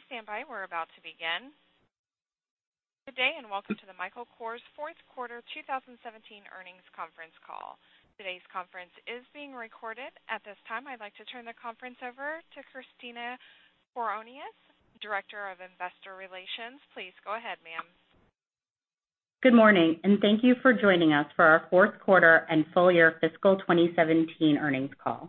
Please stand by. We're about to begin. Good day. Welcome to the Michael Kors fourth quarter 2017 earnings conference call. Today's conference is being recorded. At this time, I'd like to turn the conference over to Christina Koronias, Director of Investor Relations. Please go ahead, ma'am. Good morning. Thank you for joining us for our fourth quarter and full-year fiscal 2017 earnings call.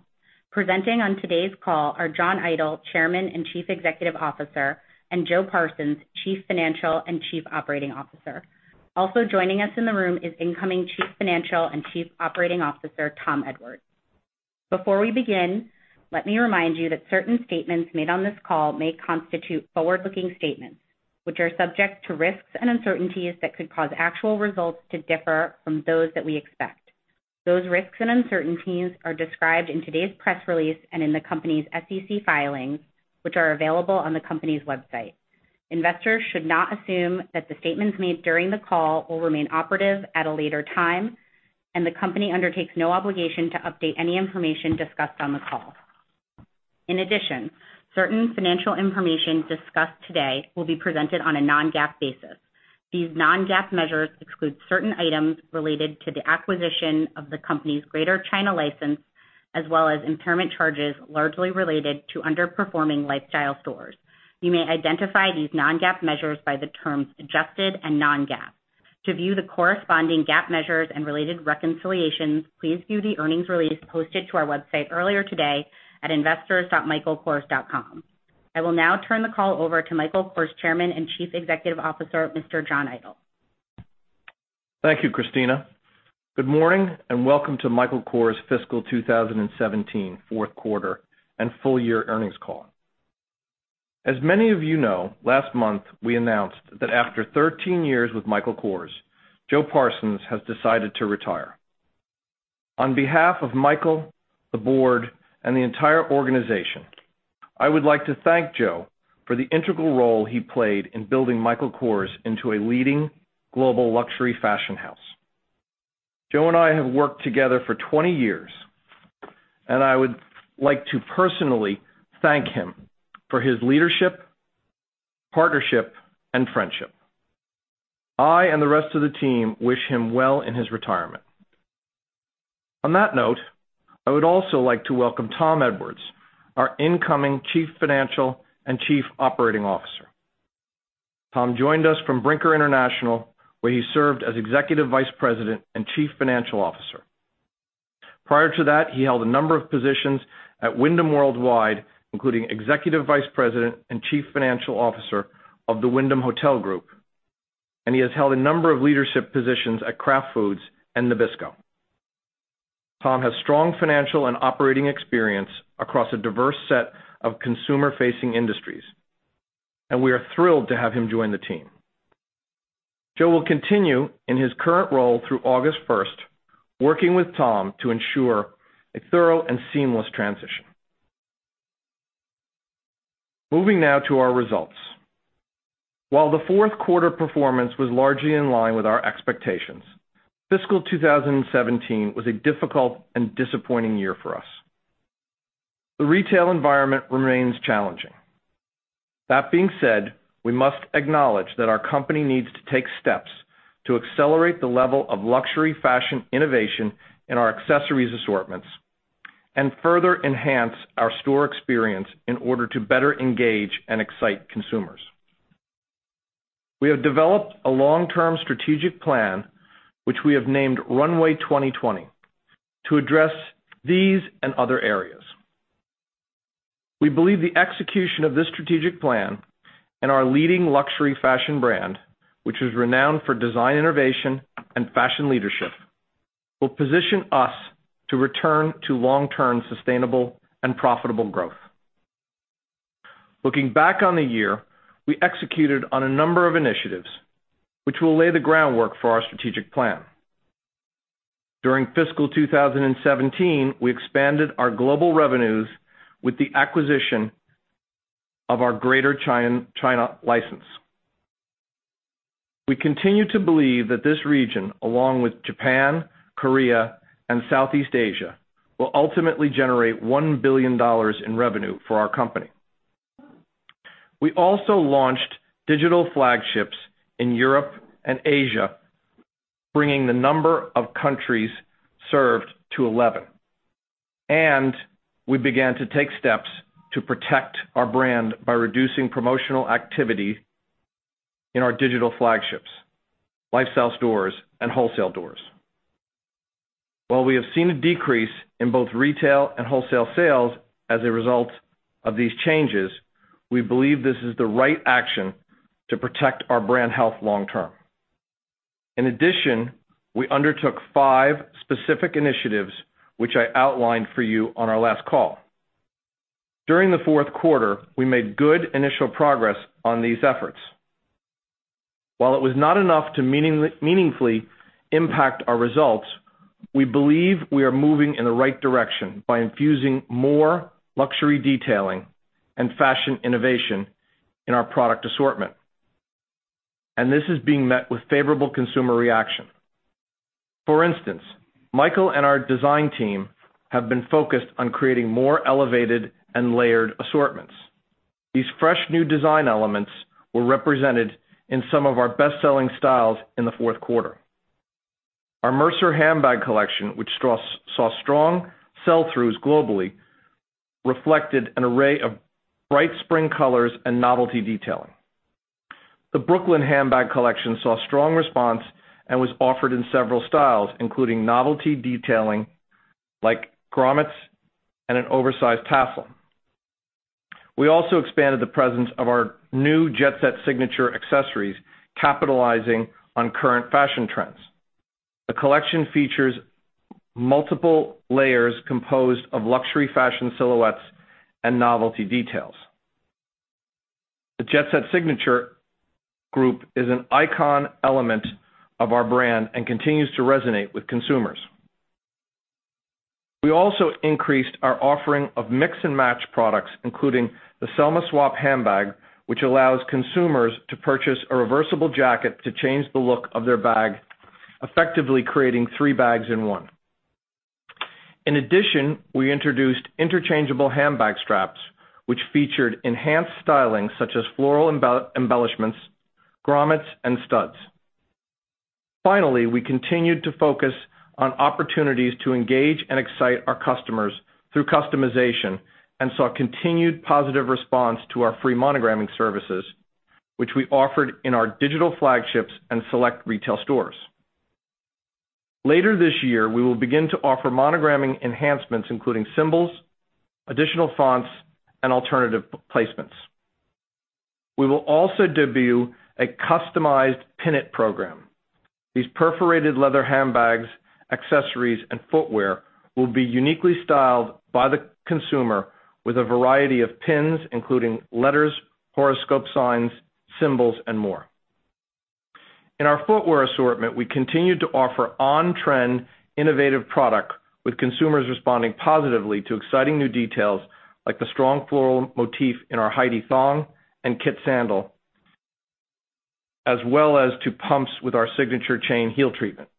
Presenting on today's call are John Idol, Chairman and Chief Executive Officer, and Joe Parsons, Chief Financial and Chief Operating Officer. Also joining us in the room is incoming Chief Financial and Chief Operating Officer, Tom Edwards. Before we begin, let me remind you that certain statements made on this call may constitute forward-looking statements, which are subject to risks and uncertainties that could cause actual results to differ from those that we expect. Those risks and uncertainties are described in today's press release and in the company's SEC filings, which are available on the company's website. Investors should not assume that the statements made during the call will remain operative at a later time. The company undertakes no obligation to update any information discussed on the call. In addition, certain financial information discussed today will be presented on a non-GAAP basis. These non-GAAP measures exclude certain items related to the acquisition of the company's Greater China license, as well as impairment charges largely related to underperforming lifestyle stores. You may identify these non-GAAP measures by the terms adjusted and non-GAAP. To view the corresponding GAAP measures and related reconciliations, please view the earnings release posted to our website earlier today at investors.michaelkors.com. I will now turn the call over to Michael Kors Chairman and Chief Executive Officer, Mr. John Idol. Thank you, Christina. Good morning. Welcome to Michael Kors Fiscal 2017 fourth quarter and full-year earnings call. As many of you know, last month we announced that after 13 years with Michael Kors, Joe Parsons has decided to retire. On behalf of Michael, the board, and the entire organization, I would like to thank Joe for the integral role he played in building Michael Kors into a leading global luxury fashion house. Joe and I have worked together for 20 years. I would like to personally thank him for his leadership, partnership, and friendship. I and the rest of the team wish him well in his retirement. On that note, I would also like to welcome Tom Edwards, our incoming Chief Financial and Chief Operating Officer. Tom joined us from Brinker International, where he served as Executive Vice President and Chief Financial Officer. Prior to that, he held a number of positions at Wyndham Worldwide, including Executive Vice President and Chief Financial Officer of the Wyndham Hotel Group, and he has held a number of leadership positions at Kraft Foods and Nabisco. Tom has strong financial and operating experience across a diverse set of consumer-facing industries, and we are thrilled to have him join the team. Joe will continue in his current role through August 1st, working with Tom to ensure a thorough and seamless transition. Moving now to our results. While the fourth quarter performance was largely in line with our expectations, fiscal 2017 was a difficult and disappointing year for us. The retail environment remains challenging. That being said, we must acknowledge that our company needs to take steps to accelerate the level of luxury fashion innovation in our accessories assortments and further enhance our store experience in order to better engage and excite consumers. We have developed a long-term strategic plan, which we have named Runway 2020, to address these and other areas. We believe the execution of this strategic plan and our leading luxury fashion brand, which is renowned for design innovation and fashion leadership, will position us to return to long-term sustainable and profitable growth. Looking back on the year, we executed on a number of initiatives which will lay the groundwork for our strategic plan. During fiscal 2017, we expanded our global revenues with the acquisition of our Greater China license. We continue to believe that this region, along with Japan, Korea, and Southeast Asia, will ultimately generate $1 billion in revenue for our company. We also launched digital flagships in Europe and Asia, bringing the number of countries served to 11, we began to take steps to protect our brand by reducing promotional activity in our digital flagships, lifestyle stores, and wholesale stores. We have seen a decrease in both retail and wholesale sales as a result of these changes, we believe this is the right action to protect our brand health long term. We undertook five specific initiatives, which I outlined for you on our last call. During the fourth quarter, we made good initial progress on these efforts. It was not enough to meaningfully impact our results, we believe we are moving in the right direction by infusing more luxury detailing and fashion innovation in our product assortment. This is being met with favorable consumer reaction. For instance, Michael and our design team have been focused on creating more elevated and layered assortments. These fresh new design elements were represented in some of our best-selling styles in the fourth quarter. Our Mercer handbag collection, which saw strong sell-throughs globally, reflected an array of bright spring colors and novelty detailing. The Brooklyn handbag collection saw strong response and was offered in several styles, including novelty detailing like grommets and an oversized tassel. We also expanded the presence of our new Jet Set signature accessories, capitalizing on current fashion trends. The collection features multiple layers composed of luxury fashion silhouettes and novelty details. The Jet Set signature group is an icon element of our brand and continues to resonate with consumers. We also increased our offering of mix-and-match products, including the Selma Swap handbag, which allows consumers to purchase a reversible jacket to change the look of their bag, effectively creating three bags in one. In addition, we introduced interchangeable handbag straps, which featured enhanced styling such as floral embellishments, grommets, and studs. Finally, we continued to focus on opportunities to engage and excite our customers through customization and saw continued positive response to our free monogramming services, which we offered in our digital flagships and select retail stores. Later this year, we will begin to offer monogramming enhancements, including symbols, additional fonts, and alternative placements. We will also debut a customized Pin It Program. These perforated leather handbags, accessories, and footwear will be uniquely styled by the consumer with a variety of pins, including letters, horoscope signs, symbols, and more. In our footwear assortment, we continued to offer on-trend, innovative product, with consumers responding positively to exciting new details like the strong floral motif in our Heidi thong and Kit sandal, as well as to pumps with our signature chain heel treatment.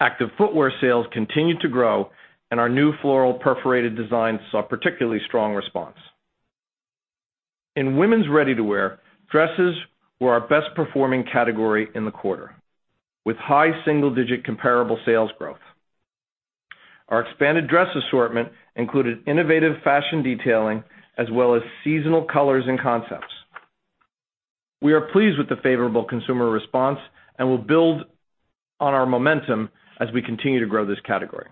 Active footwear sales continued to grow, and our new floral perforated design saw a particularly strong response. In women's ready-to-wear, dresses were our best-performing category in the quarter, with high single-digit comparable sales growth. Our expanded dress assortment included innovative fashion detailing as well as seasonal colors and concepts. We are pleased with the favorable consumer response and will build on our momentum as we continue to grow this category.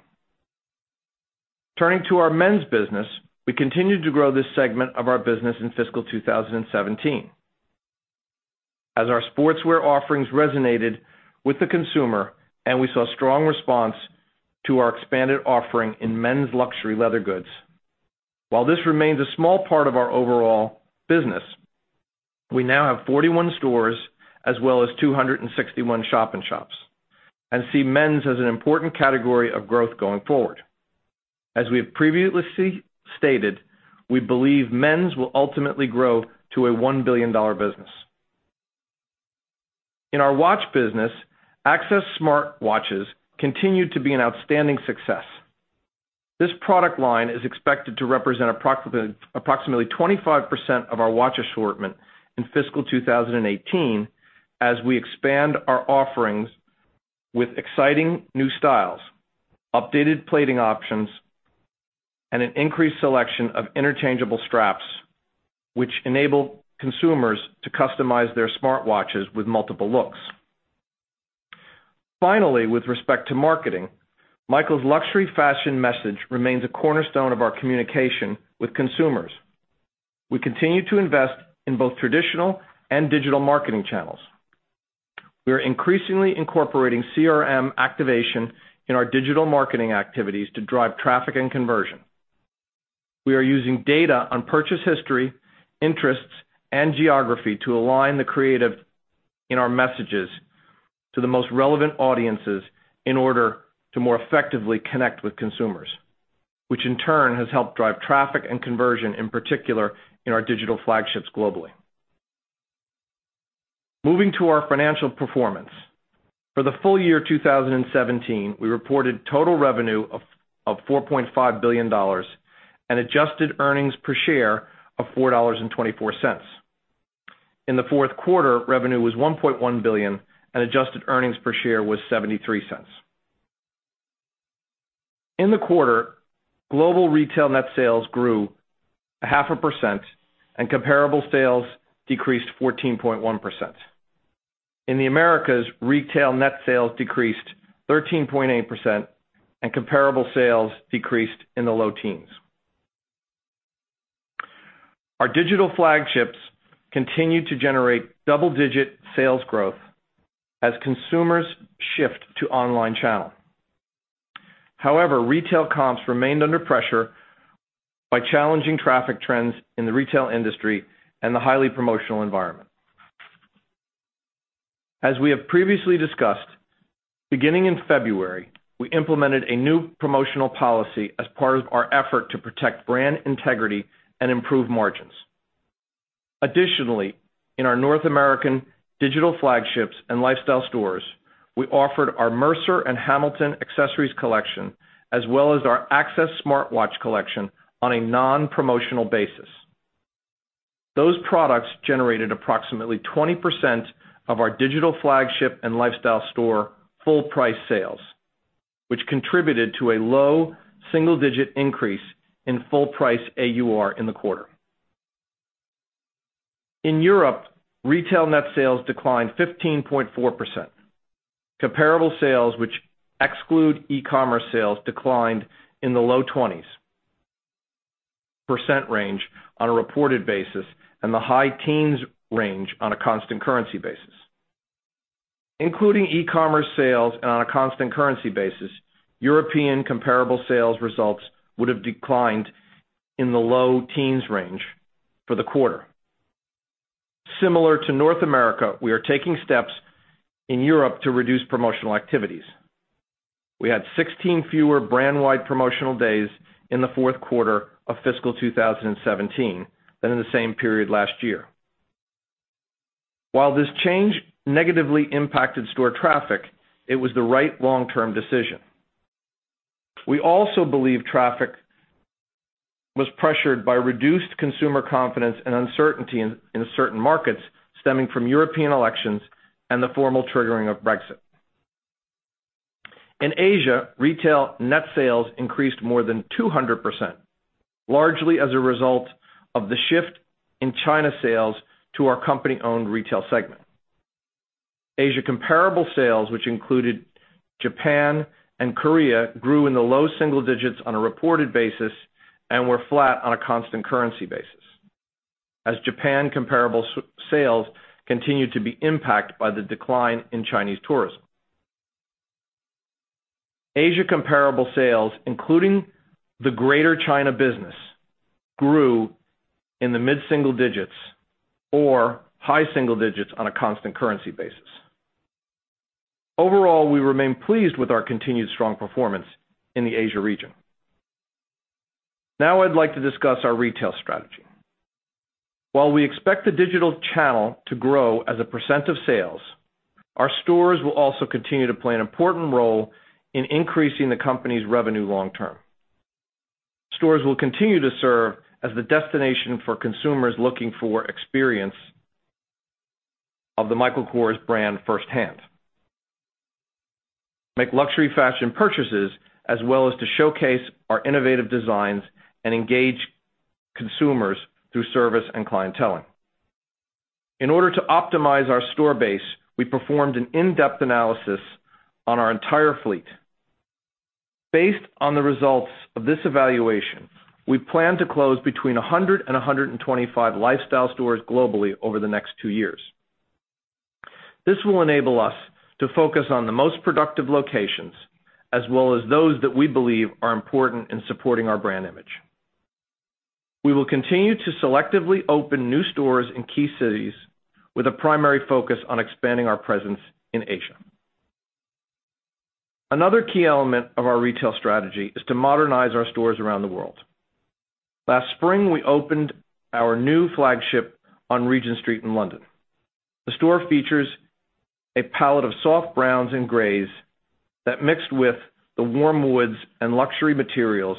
Turning to our men's business, we continued to grow this segment of our business in fiscal 2017 as our sportswear offerings resonated with the consumer, and we saw a strong response to our expanded offering in men's luxury leather goods. While this remains a small part of our overall business, we now have 41 stores as well as 261 shop-in-shops, and see men's as an important category of growth going forward. As we have previously stated, we believe men's will ultimately grow to a $1 billion business. In our watch business, Access smartwatches continued to be an outstanding success. This product line is expected to represent approximately 25% of our watch assortment in fiscal 2018 as we expand our offerings with exciting new styles, updated plating options, and an increased selection of interchangeable straps, which enable consumers to customize their smartwatches with multiple looks. Finally, with respect to marketing, Michael's luxury fashion message remains a cornerstone of our communication with consumers. We continue to invest in both traditional and digital marketing channels. We are increasingly incorporating CRM activation in our digital marketing activities to drive traffic and conversion. We are using data on purchase history, interests, and geography to align the creative in our messages to the most relevant audiences in order to more effectively connect with consumers, which in turn has helped drive traffic and conversion, in particular in our digital flagships globally. Moving to our financial performance. For the full year 2017, we reported total revenue of $4.5 billion and adjusted earnings per share of $4.24. In the fourth quarter, revenue was $1.1 billion and adjusted earnings per share was $0.73. In the quarter, global retail net sales grew half a percent, and comparable sales decreased 14.1%. In the Americas, retail net sales decreased 13.8%, and comparable sales decreased in the low teens. Our digital flagships continued to generate double-digit sales growth as consumers shift to online channel. Retail comps remained under pressure by challenging traffic trends in the retail industry and the highly promotional environment. As we have previously discussed, beginning in February, we implemented a new promotional policy as part of our effort to protect brand integrity and improve margins. In our North American digital flagships and lifestyle stores, we offered our Mercer & Hamilton accessories collection, as well as our Access smartwatch collection on a non-promotional basis. Those products generated approximately 20% of our digital flagship and lifestyle store full price sales, which contributed to a low single-digit increase in full price AUR in the quarter. In Europe, retail net sales declined 15.4%. Comparable sales, which exclude e-commerce sales, declined in the low 20s % range on a reported basis and the high teens range on a constant currency basis. Including e-commerce sales and on a constant currency basis, European comparable sales results would have declined in the low teens range for the quarter. Similar to North America, we are taking steps in Europe to reduce promotional activities. We had 16 fewer brand-wide promotional days in the fourth quarter of fiscal 2017 than in the same period last year. While this change negatively impacted store traffic, it was the right long-term decision. We also believe traffic was pressured by reduced consumer confidence and uncertainty in certain markets stemming from European elections and the formal triggering of Brexit. In Asia, retail net sales increased more than 200%, largely as a result of the shift in China sales to our company-owned retail segment. Asia comparable sales, which included Japan and Korea, grew in the low single digits on a reported basis and were flat on a constant currency basis, as Japan comparable sales continued to be impacted by the decline in Chinese tourism. Asia comparable sales, including the Greater China business, grew in the mid-single digits or high single digits on a constant currency basis. Overall, we remain pleased with our continued strong performance in the Asia region. I'd like to discuss our retail strategy. While we expect the digital channel to grow as a % of sales, our stores will also continue to play an important role in increasing the company's revenue long term. Stores will continue to serve as the destination for consumers looking for experience of the Michael Kors brand firsthand, make luxury fashion purchases, as well as to showcase our innovative designs and engage consumers through service and clienteling. In order to optimize our store base, we performed an in-depth analysis on our entire fleet. Based on the results of this evaluation, we plan to close between 100 and 125 lifestyle stores globally over the next two years. This will enable us to focus on the most productive locations, as well as those that we believe are important in supporting our brand image. We will continue to selectively open new stores in key cities with a primary focus on expanding our presence in Asia. Another key element of our retail strategy is to modernize our stores around the world. Last spring, we opened our new flagship on Regent Street in London. The store features a palette of soft browns and grays that, mixed with the warm woods and luxury materials,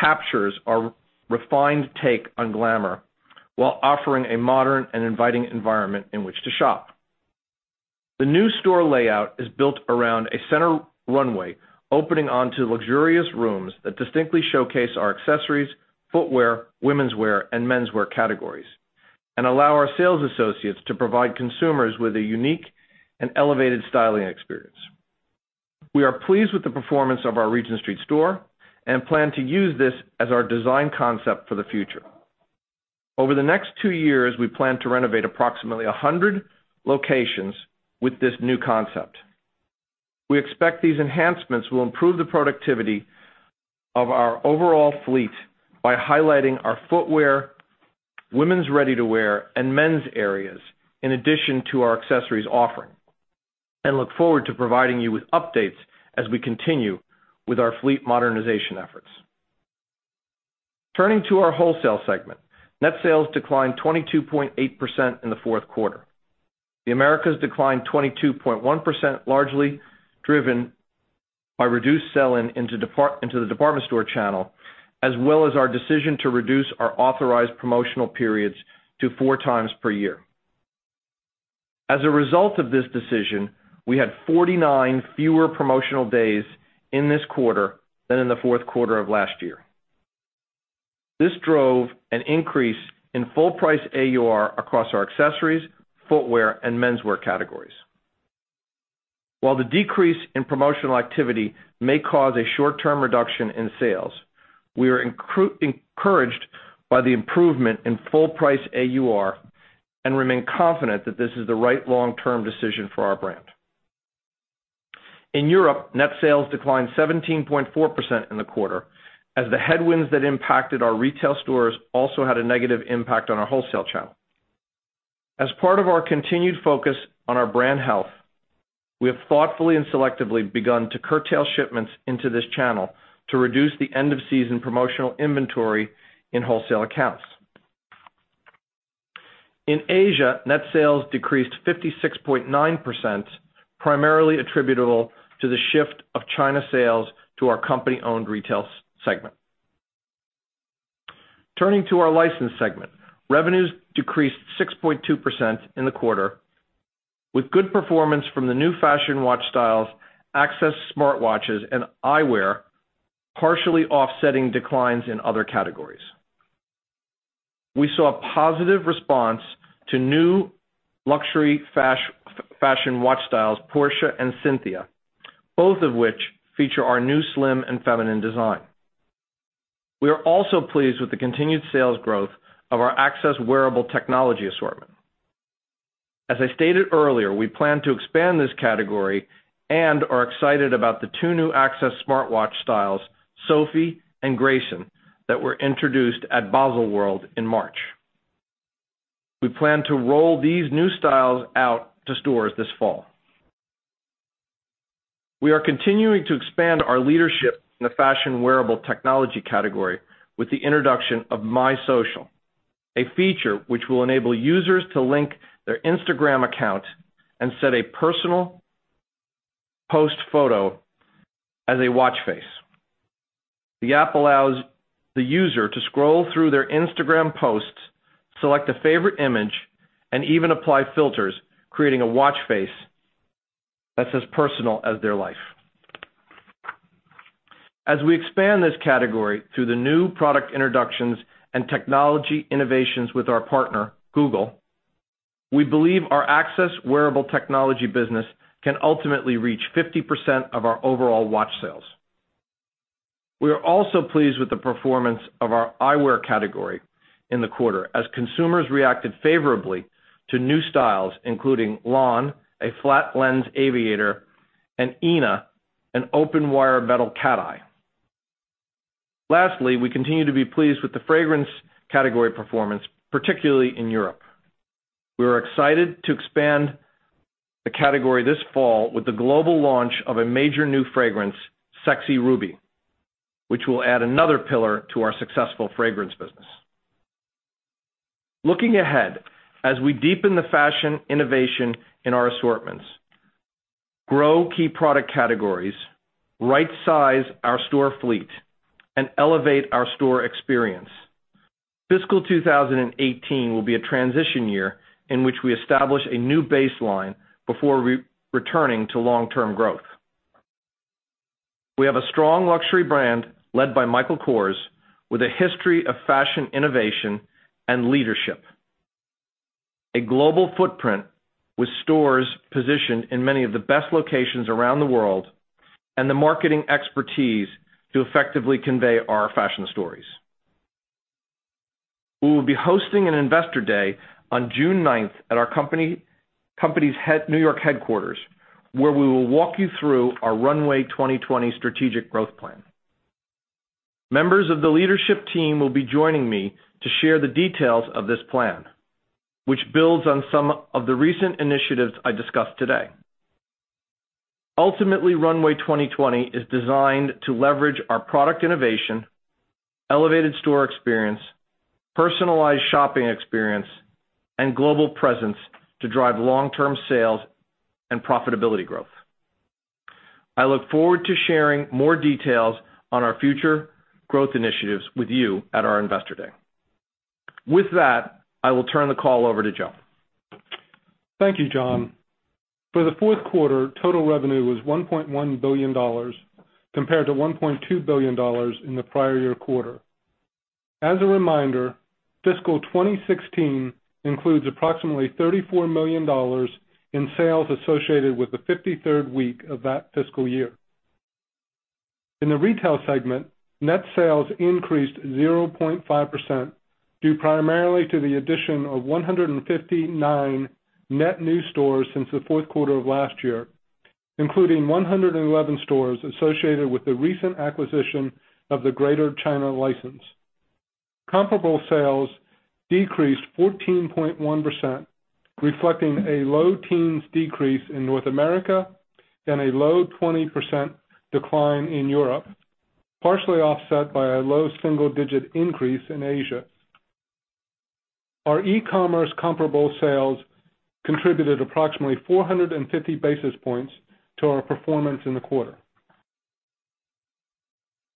captures our refined take on glamour while offering a modern and inviting environment in which to shop. The new store layout is built around a center runway opening onto luxurious rooms that distinctly showcase our accessories, footwear, womenswear, and menswear categories, and allow our sales associates to provide consumers with a unique and elevated styling experience. We are pleased with the performance of our Regent Street store and plan to use this as our design concept for the future. Over the next two years, we plan to renovate approximately 100 locations with this new concept. We expect these enhancements will improve the productivity of our overall fleet by highlighting our footwear, women's ready-to-wear, and men's areas, in addition to our accessories offering, and look forward to providing you with updates as we continue with our fleet modernization efforts. Turning to our wholesale segment, net sales declined 22.8% in the fourth quarter. The Americas declined 22.1%, largely driven by reduced sell-in into the department store channel, as well as our decision to reduce our authorized promotional periods to four times per year. As a result of this decision, we had 49 fewer promotional days in this quarter than in the fourth quarter of last year. This drove an increase in full price AUR across our accessories, footwear, and menswear categories. While the decrease in promotional activity may cause a short-term reduction in sales, we are encouraged by the improvement in full price AUR and remain confident that this is the right long-term decision for our brand. In Europe, net sales declined 17.4% in the quarter, as the headwinds that impacted our retail stores also had a negative impact on our wholesale channel. As part of our continued focus on our brand health, we have thoughtfully and selectively begun to curtail shipments into this channel to reduce the end-of-season promotional inventory in wholesale accounts. In Asia, net sales decreased 56.9%, primarily attributable to the shift of China sales to our company-owned retail segment. Turning to our licensed segment, revenues decreased 6.2% in the quarter, with good performance from the new fashion watch styles, Access smartwatches, and eyewear partially offsetting declines in other categories. We saw a positive response to new luxury fashion watch styles, Portia and Cynthia, both of which feature our new slim and feminine design. We are also pleased with the continued sales growth of our Access wearable technology assortment. As I stated earlier, we plan to expand this category and are excited about the two new Access smartwatch styles, Sofie and Grayson, that were introduced at Baselworld in March. We plan to roll these new styles out to stores this fall. We are continuing to expand our leadership in the fashion wearable technology category with the introduction of My Social, a feature which will enable users to link their Instagram account and set a personal post photo as a watch face. The app allows the user to scroll through their Instagram posts, select a favorite image, and even apply filters, creating a watch face that's as personal as their life. As we expand this category through the new product introductions and technology innovations with our partner, Google, we believe our Access wearable technology business can ultimately reach 50% of our overall watch sales. We are also pleased with the performance of our eyewear category in the quarter, as consumers reacted favorably to new styles, including Lon, a flat-lens aviator, and Ina, an open-wire metal cat eye. Lastly, we continue to be pleased with the fragrance category performance, particularly in Europe. We are excited to expand the category this fall with the global launch of a major new fragrance, Sexy Ruby, which will add another pillar to our successful fragrance business. Looking ahead, as we deepen the fashion innovation in our assortments, grow key product categories, right-size our store fleet, and elevate our store experience, fiscal 2018 will be a transition year in which we establish a new baseline before returning to long-term growth. We have a strong luxury brand led by Michael Kors, with a history of fashion innovation and leadership. A global footprint with stores positioned in many of the best locations around the world, and the marketing expertise to effectively convey our fashion stories. We will be hosting an investor day on June 9th at our company's New York headquarters, where we will walk you through our Runway 2020 strategic growth plan. Members of the leadership team will be joining me to share the details of this plan, which builds on some of the recent initiatives I discussed today. Runway 2020 is designed to leverage our product innovation, elevated store experience, personalized shopping experience, and global presence to drive long-term sales and profitability growth. I look forward to sharing more details on our future growth initiatives with you at our investor day. I will turn the call over to Joe. Thank you, John. For the fourth quarter, total revenue was $1.1 billion, compared to $1.2 billion in the prior year quarter. As a reminder, fiscal 2016 includes approximately $34 million in sales associated with the 53rd week of that fiscal year. In the retail segment, net sales increased 0.5%, due primarily to the addition of 159 net new stores since the fourth quarter of last year, including 111 stores associated with the recent acquisition of the Greater China license. Comparable sales decreased 14.1%, reflecting a low teens decrease in North America and a low 20% decline in Europe, partially offset by a low single-digit increase in Asia. Our e-commerce comparable sales contributed approximately 450 basis points to our performance in the quarter.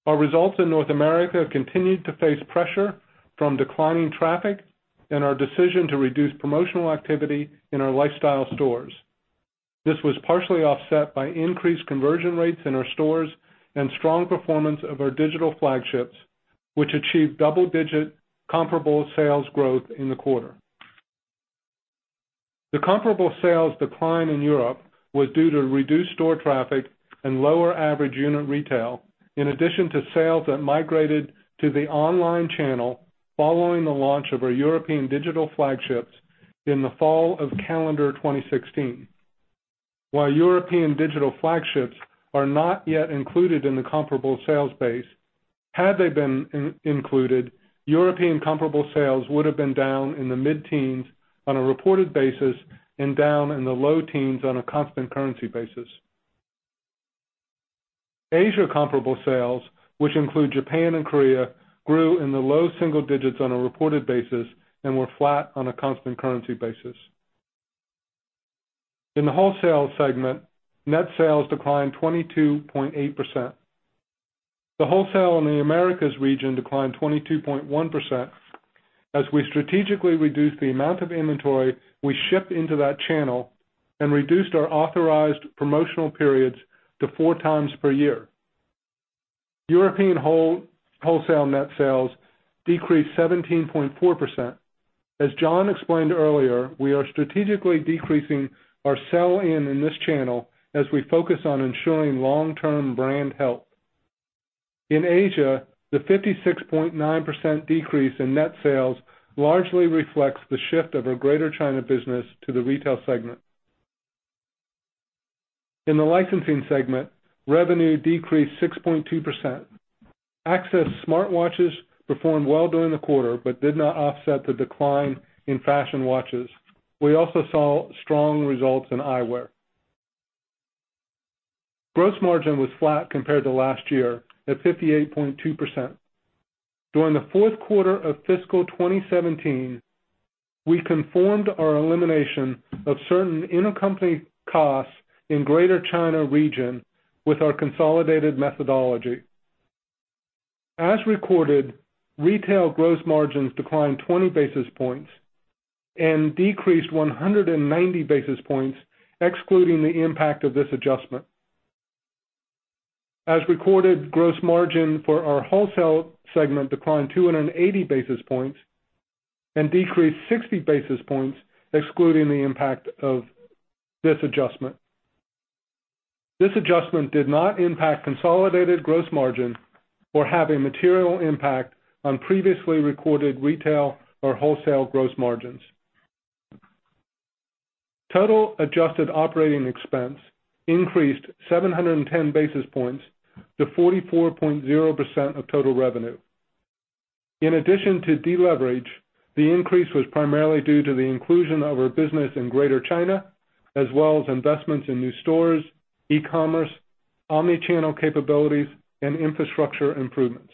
Our results in North America continued to face pressure from declining traffic and our decision to reduce promotional activity in our lifestyle stores. This was partially offset by increased conversion rates in our stores and strong performance of our digital flagships, which achieved double-digit comparable sales growth in the quarter. The comparable sales decline in Europe was due to reduced store traffic and lower average unit retail, in addition to sales that migrated to the online channel following the launch of our European digital flagships in the fall of calendar 2016. While European digital flagships are not yet included in the comparable sales base, had they been included, European comparable sales would have been down in the mid-teens on a reported basis and down in the low teens on a constant currency basis. Asia comparable sales, which include Japan and Korea, grew in the low single digits on a reported basis and were flat on a constant currency basis. In the wholesale segment, net sales declined 22.8%. The wholesale in the Americas region declined 22.1% as we strategically reduced the amount of inventory we ship into that channel and reduced our authorized promotional periods to four times per year. European wholesale net sales decreased 17.4%. As John explained earlier, we are strategically decreasing our sell-in in this channel as we focus on ensuring long-term brand health. In Asia, the 56.9% decrease in net sales largely reflects the shift of our Greater China business to the retail segment. In the licensing segment, revenue decreased 6.2%. Access smartwatches performed well during the quarter but did not offset the decline in fashion watches. We also saw strong results in eyewear. Gross margin was flat compared to last year at 58.2%. During the fourth quarter of fiscal 2017, we conformed our elimination of certain intercompany costs in Greater China Region with our consolidated methodology. As recorded, retail gross margins declined 20 basis points and decreased 190 basis points excluding the impact of this adjustment. As recorded, gross margin for our wholesale segment declined 280 basis points and decreased 60 basis points excluding the impact of this adjustment. This adjustment did not impact consolidated gross margin or have a material impact on previously recorded retail or wholesale gross margins. Total adjusted operating expense increased 710 basis points to 44.0% of total revenue. In addition to deleverage, the increase was primarily due to the inclusion of our business in Greater China, as well as investments in new stores, e-commerce, omni-channel capabilities, and infrastructure improvements.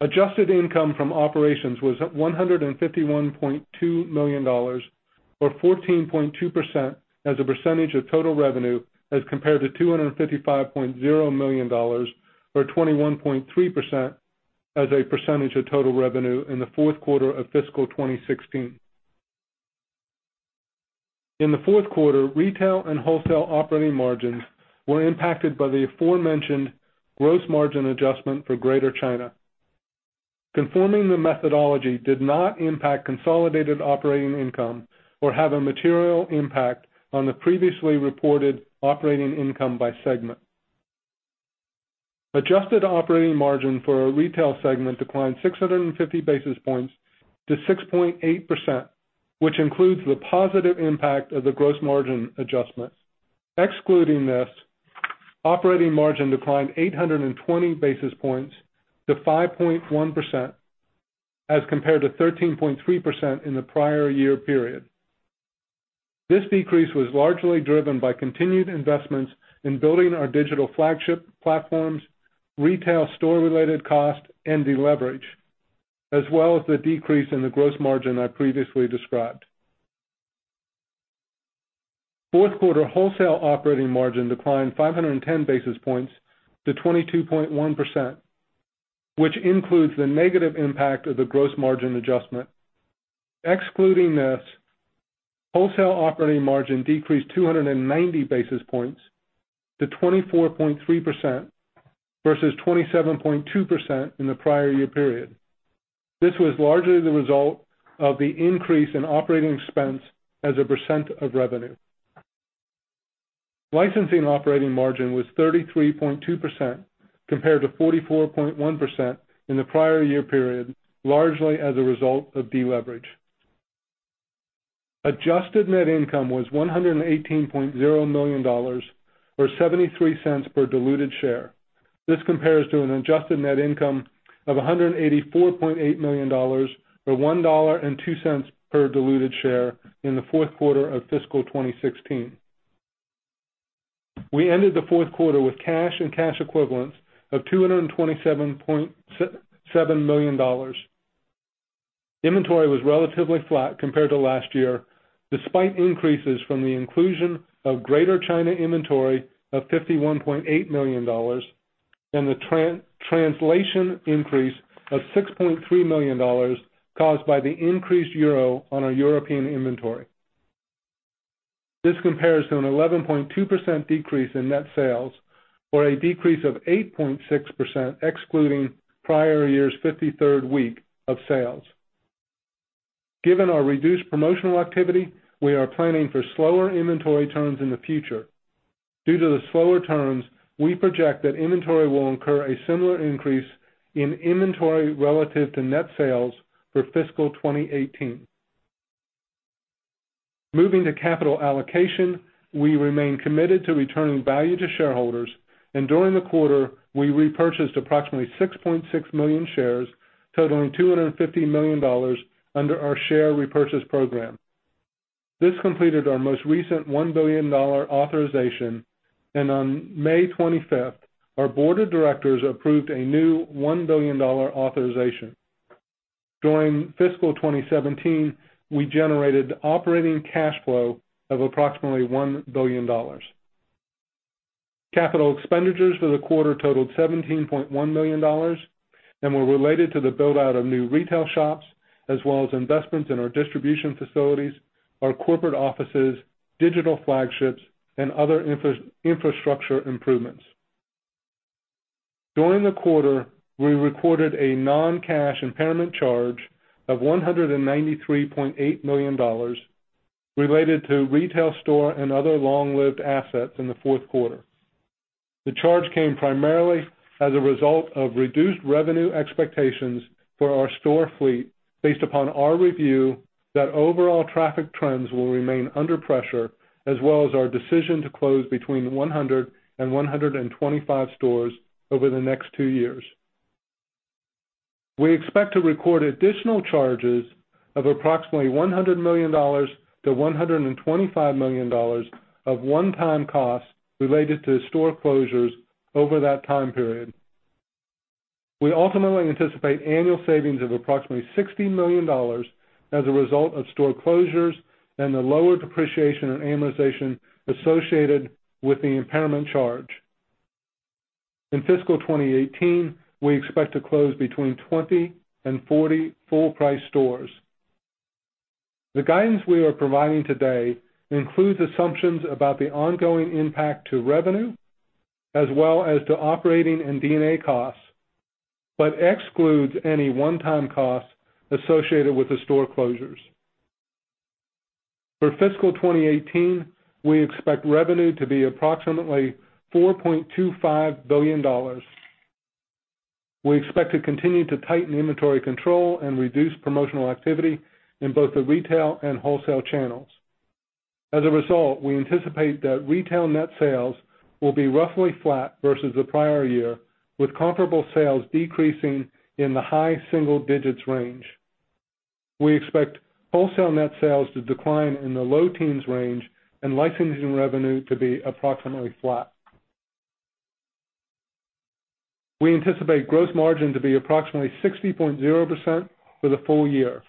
Adjusted income from operations was at $151.2 million, or 14.2% as a percentage of total revenue, as compared to $255.0 million, or 21.3% as a percentage of total revenue in the fourth quarter of fiscal 2016. In the fourth quarter, retail and wholesale operating margins were impacted by the aforementioned gross margin adjustment for Greater China. Conforming the methodology did not impact consolidated operating income or have a material impact on the previously reported operating income by segment. Adjusted operating margin for our retail segment declined 650 basis points to 6.8%, which includes the positive impact of the gross margin adjustment. Excluding this, operating margin declined 820 basis points to 5.1%, as compared to 13.3% in the prior year period. This decrease was largely driven by continued investments in building our digital flagship platforms, retail store-related costs, and deleverage, as well as the decrease in the gross margin I previously described. Fourth quarter wholesale operating margin declined 510 basis points to 22.1%, which includes the negative impact of the gross margin adjustment. Excluding this, wholesale operating margin decreased 290 basis points to 24.3%, versus 27.2% in the prior year period. This was largely the result of the increase in operating expense as a percent of revenue. Licensing operating margin was 33.2%, compared to 44.1% in the prior year period, largely as a result of deleverage. Adjusted net income was $118.0 million, or $0.73 per diluted share. This compares to an adjusted net income of $184.8 million, or $1.02 per diluted share in the fourth quarter of fiscal 2016. We ended the fourth quarter with cash and cash equivalents of $227.7 million. Inventory was relatively flat compared to last year, despite increases from the inclusion of Greater China inventory of $51.8 million and the translation increase of $6.3 million caused by the increased euro on our European inventory. This compares to an 11.2% decrease in net sales or a decrease of 8.6% excluding prior year's 53rd week of sales. Given our reduced promotional activity, we are planning for slower inventory turns in the future. Due to the slower turns, we project that inventory will incur a similar increase in inventory relative to net sales for fiscal 2018. Moving to capital allocation, we remain committed to returning value to shareholders. During the quarter, we repurchased approximately 6.6 million shares, totaling $250 million under our share repurchase program. This completed our most recent $1 billion authorization, and on May 25th, our board of directors approved a new $1 billion authorization. During fiscal 2017, we generated operating cash flow of approximately $1 billion. Capital expenditures for the quarter totaled $17.1 million and were related to the build-out of new retail shops as well as investments in our distribution facilities, our corporate offices, digital flagships, and other infrastructure improvements. During the quarter, we recorded a non-cash impairment charge of $193.8 million related to retail store and other long-lived assets in the fourth quarter. The charge came primarily as a result of reduced revenue expectations for our store fleet, based upon our review that overall traffic trends will remain under pressure, as well as our decision to close between 100 and 125 stores over the next two years. We expect to record additional charges of approximately $100 million-$125 million of one-time costs related to store closures over that time period. We ultimately anticipate annual savings of approximately $60 million as a result of store closures and the lower depreciation and amortization associated with the impairment charge. In fiscal 2018, we expect to close between 20 and 40 full-price stores. The guidance we are providing today includes assumptions about the ongoing impact to revenue as well as to operating and D&A costs, but excludes any one-time costs associated with the store closures. For fiscal 2018, we expect revenue to be approximately $4.25 billion. We expect to continue to tighten inventory control and reduce promotional activity in both the retail and wholesale channels. As a result, we anticipate that retail net sales will be roughly flat versus the prior year, with comparable sales decreasing in the high single digits range. We expect wholesale net sales to decline in the low teens range and licensing revenue to be approximately flat. We anticipate gross margin to be approximately 60.0% for the full year.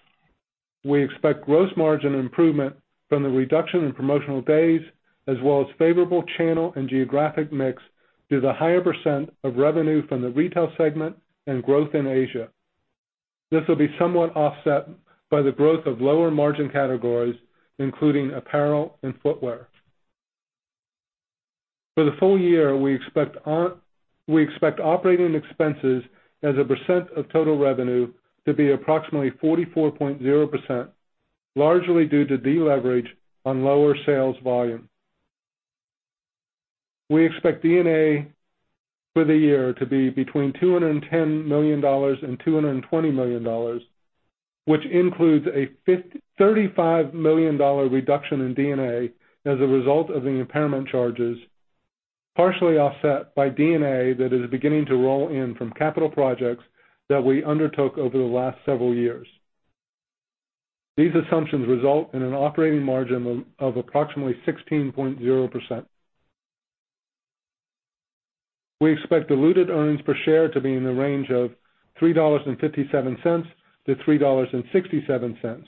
We expect gross margin improvement from the reduction in promotional days as well as favorable channel and geographic mix due to the higher % of revenue from the retail segment and growth in Asia. This will be somewhat offset by the growth of lower margin categories, including apparel and footwear. For the full year, we expect operating expenses as a % of total revenue to be approximately 44.0%, largely due to deleverage on lower sales volume. We expect D&A for the year to be between $210 million and $220 million, which includes a $35 million reduction in D&A as a result of the impairment charges, partially offset by D&A that is beginning to roll in from capital projects that we undertook over the last several years. These assumptions result in an operating margin of approximately 16.0%. We expect diluted earnings per share to be in the range of $3.57-$3.67.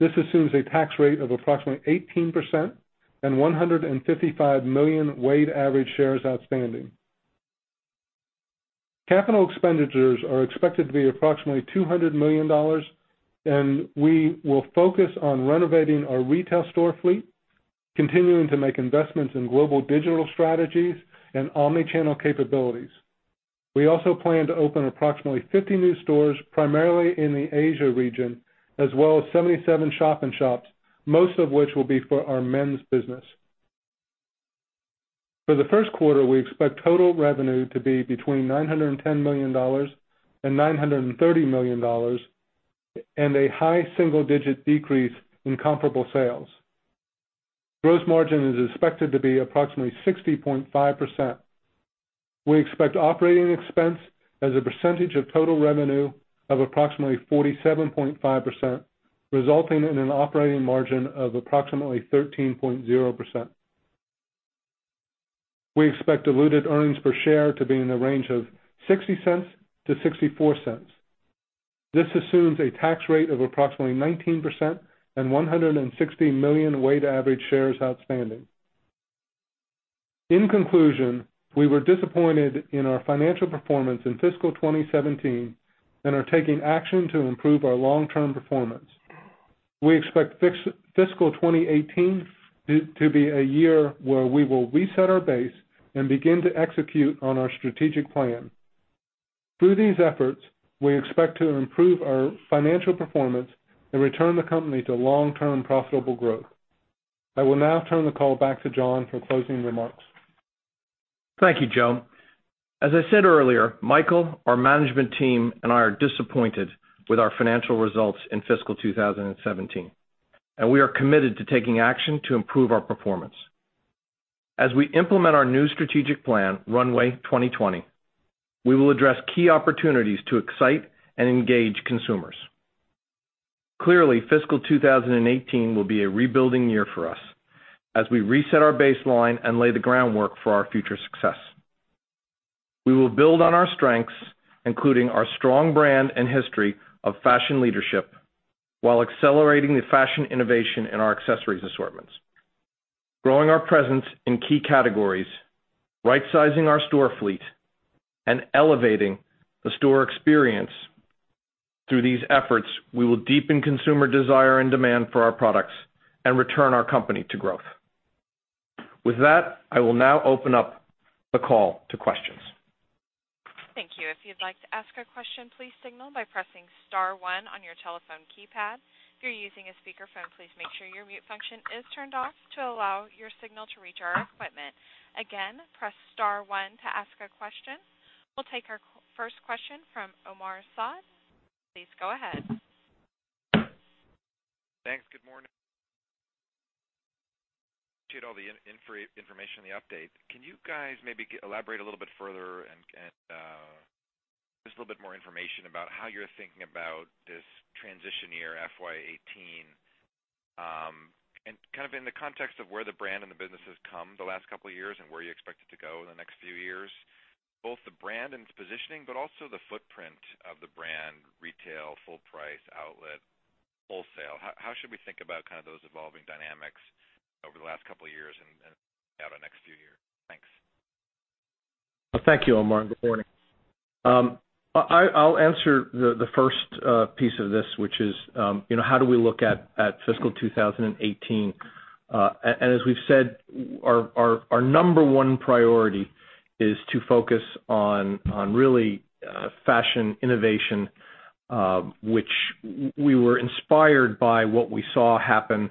This assumes a tax rate of approximately 18% and 155 million weighted average shares outstanding. Capital expenditures are expected to be approximately $200 million, and we will focus on renovating our retail store fleet, continuing to make investments in global digital strategies and omni-channel capabilities. We also plan to open approximately 50 new stores, primarily in the Asia region, as well as 77 shop in shops, most of which will be for our men's business. For the first quarter, we expect total revenue to be between $910 million and $930 million, and a high single-digit decrease in comparable sales. Gross margin is expected to be approximately 60.5%. We expect operating expense as a % of total revenue of approximately 47.5%, resulting in an operating margin of approximately 13.0%. We expect diluted earnings per share to be in the range of $0.60-$0.64. This assumes a tax rate of approximately 19% and 160 million weighted average shares outstanding. In conclusion, we were disappointed in our financial performance in fiscal 2017 and are taking action to improve our long-term performance. We expect fiscal 2018 to be a year where we will reset our base and begin to execute on our strategic plan. Through these efforts, we expect to improve our financial performance and return the company to long-term profitable growth. I will now turn the call back to John for closing remarks. Thank you, Joe. As I said earlier, Michael, our management team, and I are disappointed with our financial results in fiscal 2017, and we are committed to taking action to improve our performance. As we implement our new strategic plan, Runway 2020, we will address key opportunities to excite and engage consumers. Clearly, fiscal 2018 will be a rebuilding year for us as we reset our baseline and lay the groundwork for our future success. We will build on our strengths, including our strong brand and history of fashion leadership, while accelerating the fashion innovation in our accessories assortments, growing our presence in key categories, rightsizing our store fleet, and elevating the store experience. Through these efforts, we will deepen consumer desire and demand for our products and return our company to growth. With that, I will now open up the call to questions. Thank you. If you'd like to ask a question, please signal by pressing *1 on your telephone keypad. If you're using a speakerphone, please make sure your mute function is turned off to allow your signal to reach our equipment. Again, press *1 to ask a question. We'll take our first question from Omar Saad. Please go ahead. Thanks. Good morning. Appreciate all the information in the update. Can you guys maybe elaborate a little bit further and give just a little bit more information about how you're thinking about this transition year, FY 2018, and kind of in the context of where the brand and the business has come the last couple of years and where you expect it to go in the next few years, both the brand and its positioning, but also the footprint of the brand, retail, full price, outlet, wholesale. How should we think about those evolving dynamics over the last couple of years and out the next few years? Thanks. Thank you, Omar. Good morning. I'll answer the first piece of this, which is how do we look at fiscal 2018. As we've said, our number one priority is to focus on really fashion innovation, which we were inspired by what we saw happen in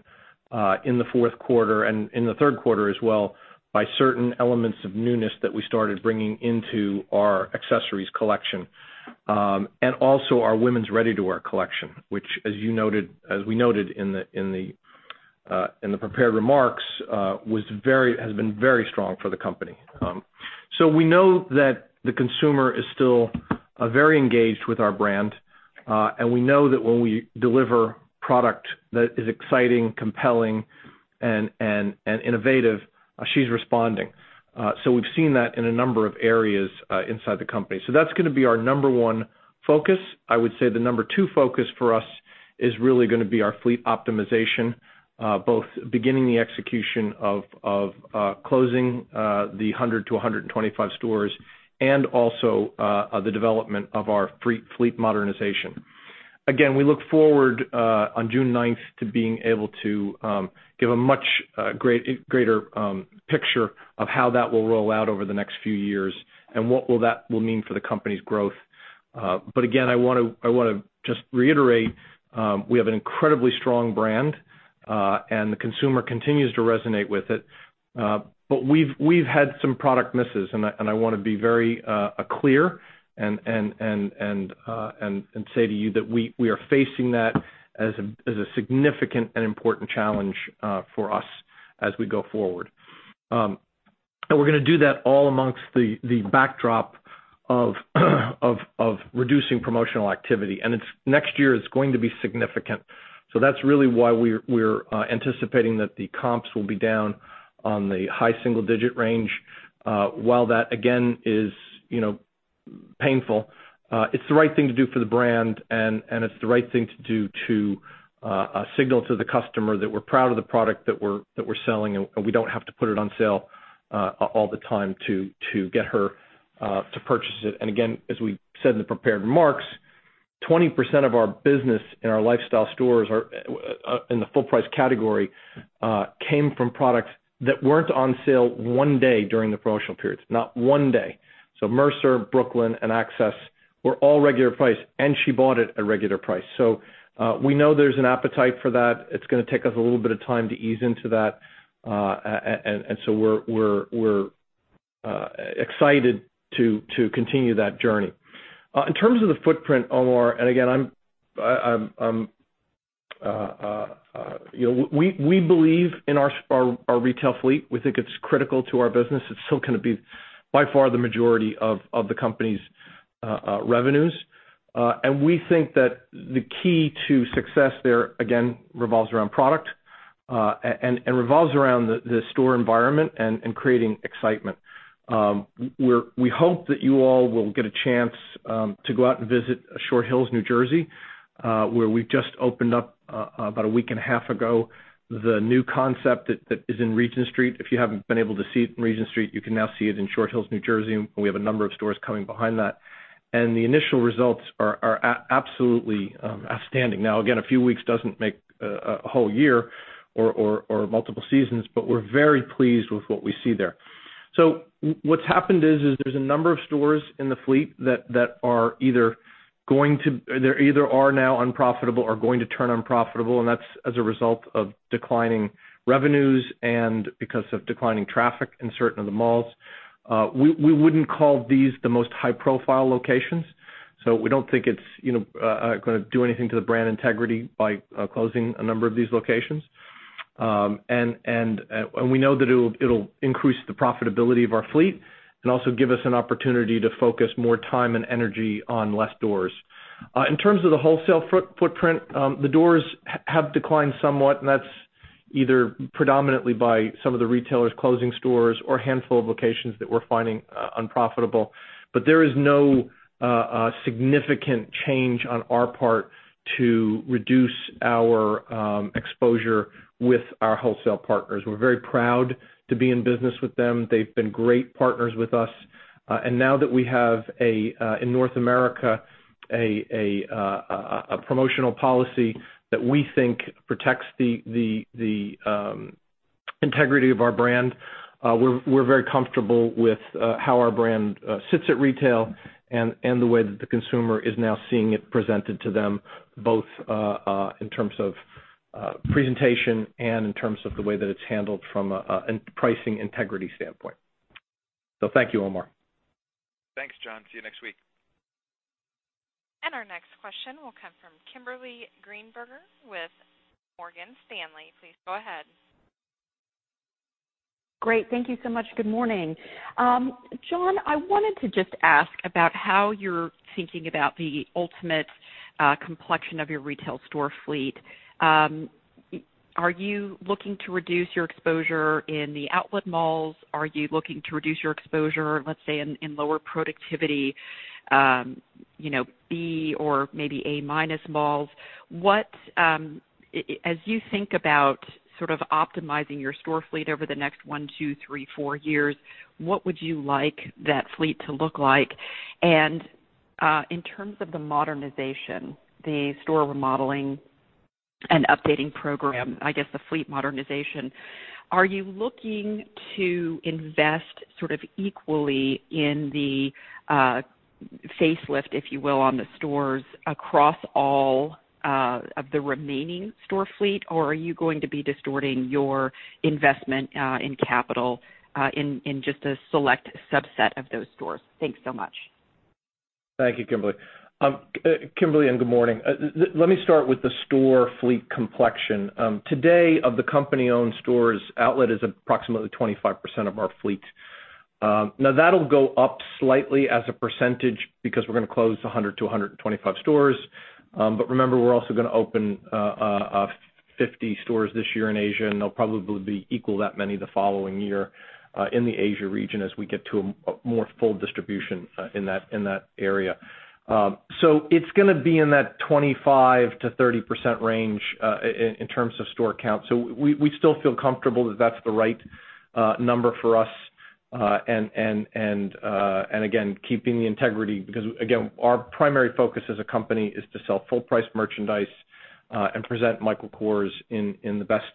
the fourth quarter and in the third quarter as well, by certain elements of newness that we started bringing into our accessories collection. Also our women's ready-to-wear collection, which as we noted in the prepared remarks has been very strong for the company. We know that the consumer is still very engaged with our brand. We know that when we deliver product that is exciting, compelling, and innovative, she's responding. We've seen that in a number of areas inside the company. That's going to be our number one focus. I would say the number two focus for us is really going to be our fleet optimization, both beginning the execution of closing the 100-125 stores and also the development of our fleet modernization. Again, we look forward on June ninth to being able to give a much greater picture of how that will roll out over the next few years and what will that will mean for the company's growth. Again, I want to just reiterate, we have an incredibly strong brand, and the consumer continues to resonate with it. We've had some product misses, and I want to be very clear and say to you that we are facing that as a significant and important challenge for us as we go forward. We're going to do that all amongst the backdrop of reducing promotional activity. Next year is going to be significant. That's really why we're anticipating that the comps will be down on the high single-digit range. While that, again, is painful, it's the right thing to do for the brand, and it's the right thing to do to signal to the customer that we're proud of the product that we're selling, and we don't have to put it on sale all the time to get her to purchase it. Again, as we said in the prepared remarks, 20% of our business in our lifestyle stores in the full price category came from products that weren't on sale one day during the promotional periods. Not one day. Mercer, Brooklyn, and Access were all regular price, and she bought it at regular price. We know there's an appetite for that. It's going to take us a little bit of time to ease into that. We're excited to continue that journey. In terms of the footprint, Omar, again, we believe in our retail fleet. We think it's critical to our business. It's still going to be by far the majority of the company's revenues. We think that the key to success there, again, revolves around product and revolves around the store environment and creating excitement. We hope that you all will get a chance to go out and visit Short Hills, New Jersey, where we've just opened up about a week and a half ago the new concept that is in Regent Street. If you haven't been able to see it in Regent Street, you can now see it in Short Hills, New Jersey, and we have a number of stores coming behind that. The initial results are absolutely outstanding. Now, again, a few weeks doesn't make a whole year or multiple seasons, but we're very pleased with what we see there. What's happened is, there's a number of stores in the fleet that either are now unprofitable or going to turn unprofitable, and that's as a result of declining revenues and because of declining traffic in certain of the malls. We wouldn't call these the most high-profile locations, so we don't think it's going to do anything to the brand integrity by closing a number of these locations. We know that it'll increase the profitability of our fleet and also give us an opportunity to focus more time and energy on less doors. In terms of the wholesale footprint, the doors have declined somewhat, and that's either predominantly by some of the retailers closing stores or a handful of locations that we're finding unprofitable. There is no significant change on our part to reduce our exposure with our wholesale partners. We're very proud to be in business with them. They've been great partners with us. Now that we have, in North America, a promotional policy that we think protects the integrity of our brand, we're very comfortable with how our brand sits at retail and the way that the consumer is now seeing it presented to them, both in terms of presentation and in terms of the way that it's handled from a pricing integrity standpoint. Thank you, Omar. Thanks, John. See you next week. Our next question will come from Kimberly Greenberger with Morgan Stanley. Please go ahead. Great. Thank you so much. Good morning. John, I wanted to just ask about how you're thinking about the ultimate complexion of your retail store fleet. Are you looking to reduce your exposure in the outlet malls? Are you looking to reduce your exposure, let's say, in lower productivity B or maybe A-minus malls? As you think about optimizing your store fleet over the next one, two, three, four years, what would you like that fleet to look like? In terms of the modernization, the store remodeling and updating program, I guess the fleet modernization, are you looking to invest sort of equally in the facelift, if you will, on the stores across all of the remaining store fleet, or are you going to be distorting your investment in capital in just a select subset of those stores? Thanks so much. Thank you, Kimberly. Kimberly, and good morning. Let me start with the store fleet complexion. Today, of the company-owned stores, outlet is approximately 25% of our fleet. Now, that'll go up slightly as a percentage because we're going to close 100 to 125 stores. Remember, we're also going to open 50 stores this year in Asia, and they'll probably be equal that many the following year in the Asia region as we get to a more full distribution in that area. It's going to be in that 25%-30% range in terms of store count. We still feel comfortable that that's the right number for us, and again, keeping the integrity, because, again, our primary focus as a company is to sell full-price merchandise and present Michael Kors in the best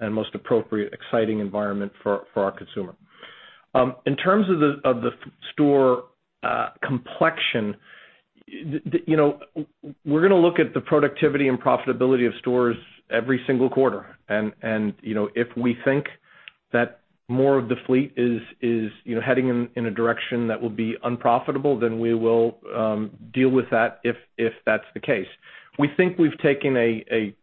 and most appropriate, exciting environment for our consumer. In terms of the store complexion, we're going to look at the productivity and profitability of stores every single quarter. If we think that more of the fleet is heading in a direction that will be unprofitable, then we will deal with that if that's the case. We think we've taken a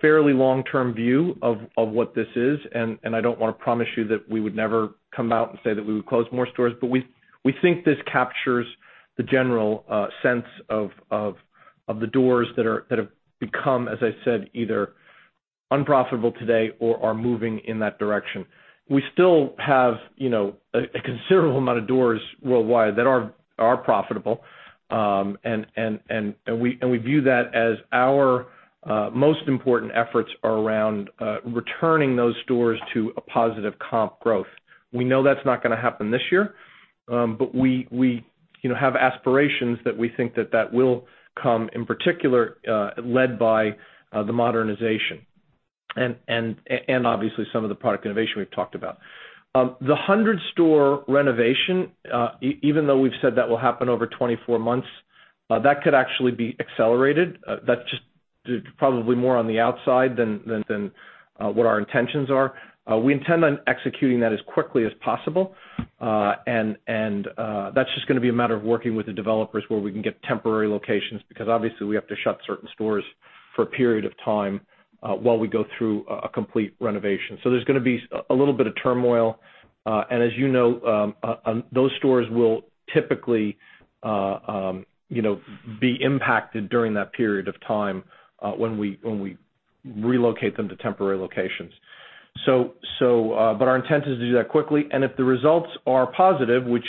fairly long-term view of what this is. I don't want to promise you that we would never come out and say that we would close more stores, but we think this captures the general sense of the doors that have become, as I said, either unprofitable today or are moving in that direction. We still have a considerable amount of doors worldwide that are profitable, and we view that as our most important efforts are around returning those stores to a positive comp growth. We know that's not going to happen this year, but we have aspirations that we think that that will come, in particular led by the modernization, and obviously some of the product innovation we've talked about. The 100-store renovation, even though we've said that will happen over 24 months, that could actually be accelerated. That's just probably more on the outside than what our intentions are. We intend on executing that as quickly as possible, and that's just going to be a matter of working with the developers where we can get temporary locations, because obviously we have to shut certain stores for a period of time while we go through a complete renovation. There's going to be a little bit of turmoil, and as you know, those stores will typically be impacted during that period of time when we relocate them to temporary locations. Our intent is to do that quickly. If the results are positive, which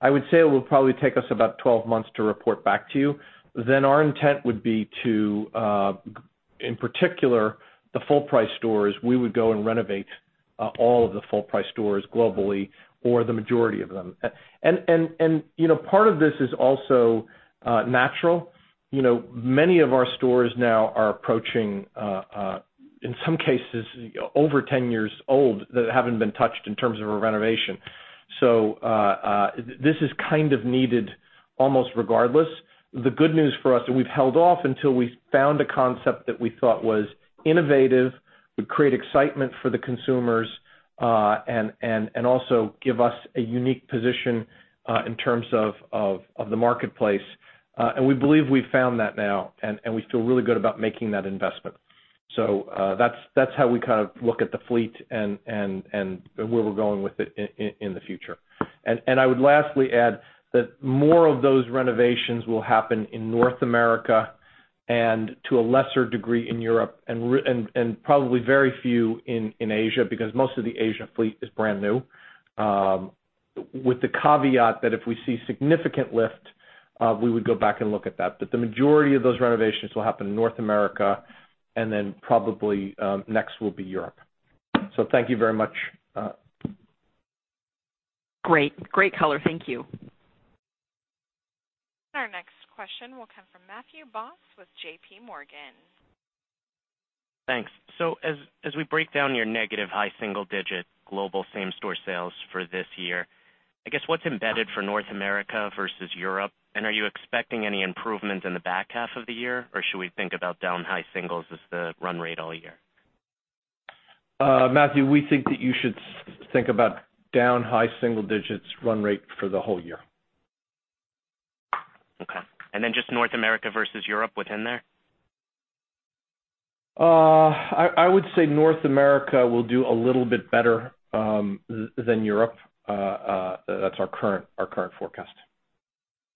I would say will probably take us about 12 months to report back to you, then our intent would be to, in particular, the full-price stores, we would go and renovate all of the full-price stores globally or the majority of them. Part of this is also natural. Many of our stores now are approaching, in some cases, over 10 years old that haven't been touched in terms of a renovation. This is kind of needed almost regardless. The good news for us, we've held off until we found a concept that we thought was innovative, would create excitement for the consumers, and also give us a unique position in terms of the marketplace. We believe we've found that now, and we feel really good about making that investment. That's how we look at the fleet and where we're going with it in the future. I would lastly add that more of those renovations will happen in North America and to a lesser degree in Europe and probably very few in Asia, because most of the Asia fleet is brand new. With the caveat that if we see significant lift, we would go back and look at that. The majority of those renovations will happen in North America, then probably next will be Europe. Thank you very much. Great. Great color. Thank you. Our next question will come from Matthew Boss with JPMorgan. Thanks. As we break down your negative high single-digit global same-store sales for this year, I guess what's embedded for North America versus Europe? Are you expecting any improvement in the back half of the year, or should we think about down high singles as the run rate all year? Matthew, we think that you should think about down high single digits run rate for the whole year. Okay. Just North America versus Europe within there? I would say North America will do a little bit better than Europe. That's our current forecast.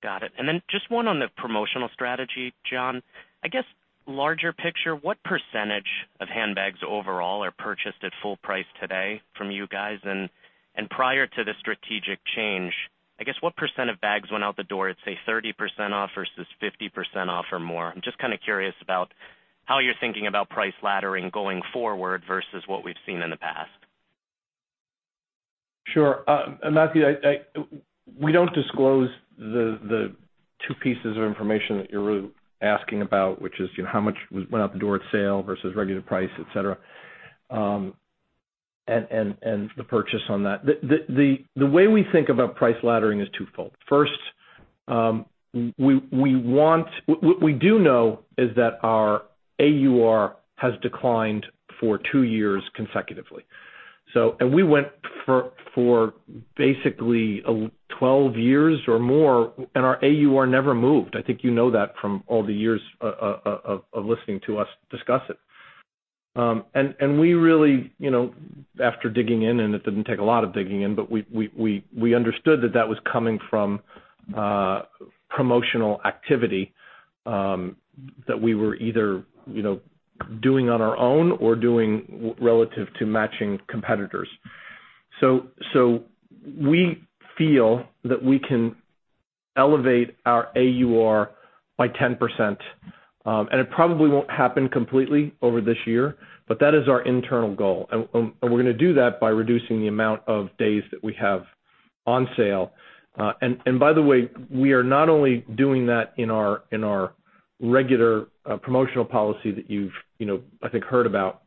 Got it. Just one on the promotional strategy, John. I guess, larger picture, what % of handbags overall are purchased at full price today from you guys? Prior to the strategic change, I guess what % of bags went out the door at, say, 30% off versus 50% off or more? I'm just curious about how you're thinking about price laddering going forward versus what we've seen in the past. Sure. Matthew, we don't disclose the two pieces of information that you're really asking about, which is how much went out the door at sale versus regular price, et cetera, and the purchase on that. The way we think about price laddering is twofold. First, what we do know is that our AUR has declined for two years consecutively. We went for basically 12 years or more, and our AUR never moved. I think you know that from all the years of listening to us discuss it. We really, after digging in, and it didn't take a lot of digging in, but we understood that that was coming from promotional activity that we were either doing on our own or doing relative to matching competitors. We feel that we can elevate our AUR by 10%, and it probably won't happen completely over this year, but that is our internal goal. We're going to do that by reducing the amount of days that we have on sale. By the way, we are not only doing that in our regular promotional policy that you've, I think, heard about,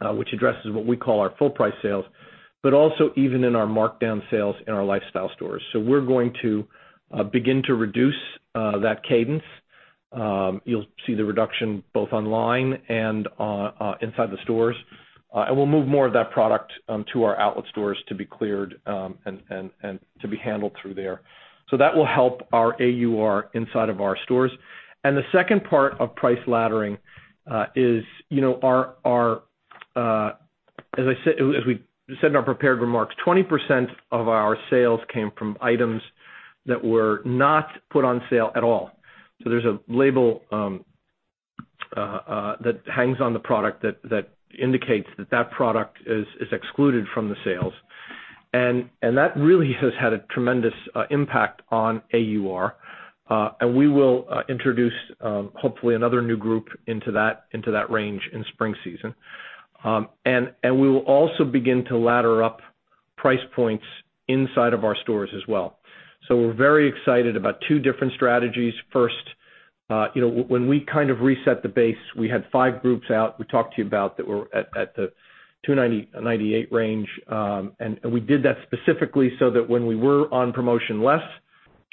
which addresses what we call our full price sales, but also even in our markdown sales in our lifestyle stores. We're going to begin to reduce that cadence. You'll see the reduction both online and inside the stores. We'll move more of that product to our outlet stores to be cleared and to be handled through there. That will help our AUR inside of our stores. The second part of price laddering is, as we said in our prepared remarks, 20% of our sales came from items that were not put on sale at all. There's a label that hangs on the product that indicates that that product is excluded from the sales. That really has had a tremendous impact on AUR. We will introduce, hopefully, another new group into that range in spring season. We will also begin to ladder up price points inside of our stores as well. We're very excited about two different strategies. First, when we reset the base, we had five groups out. We talked to you about that were at the $290, $98 range, and we did that specifically so that when we were on promotion less,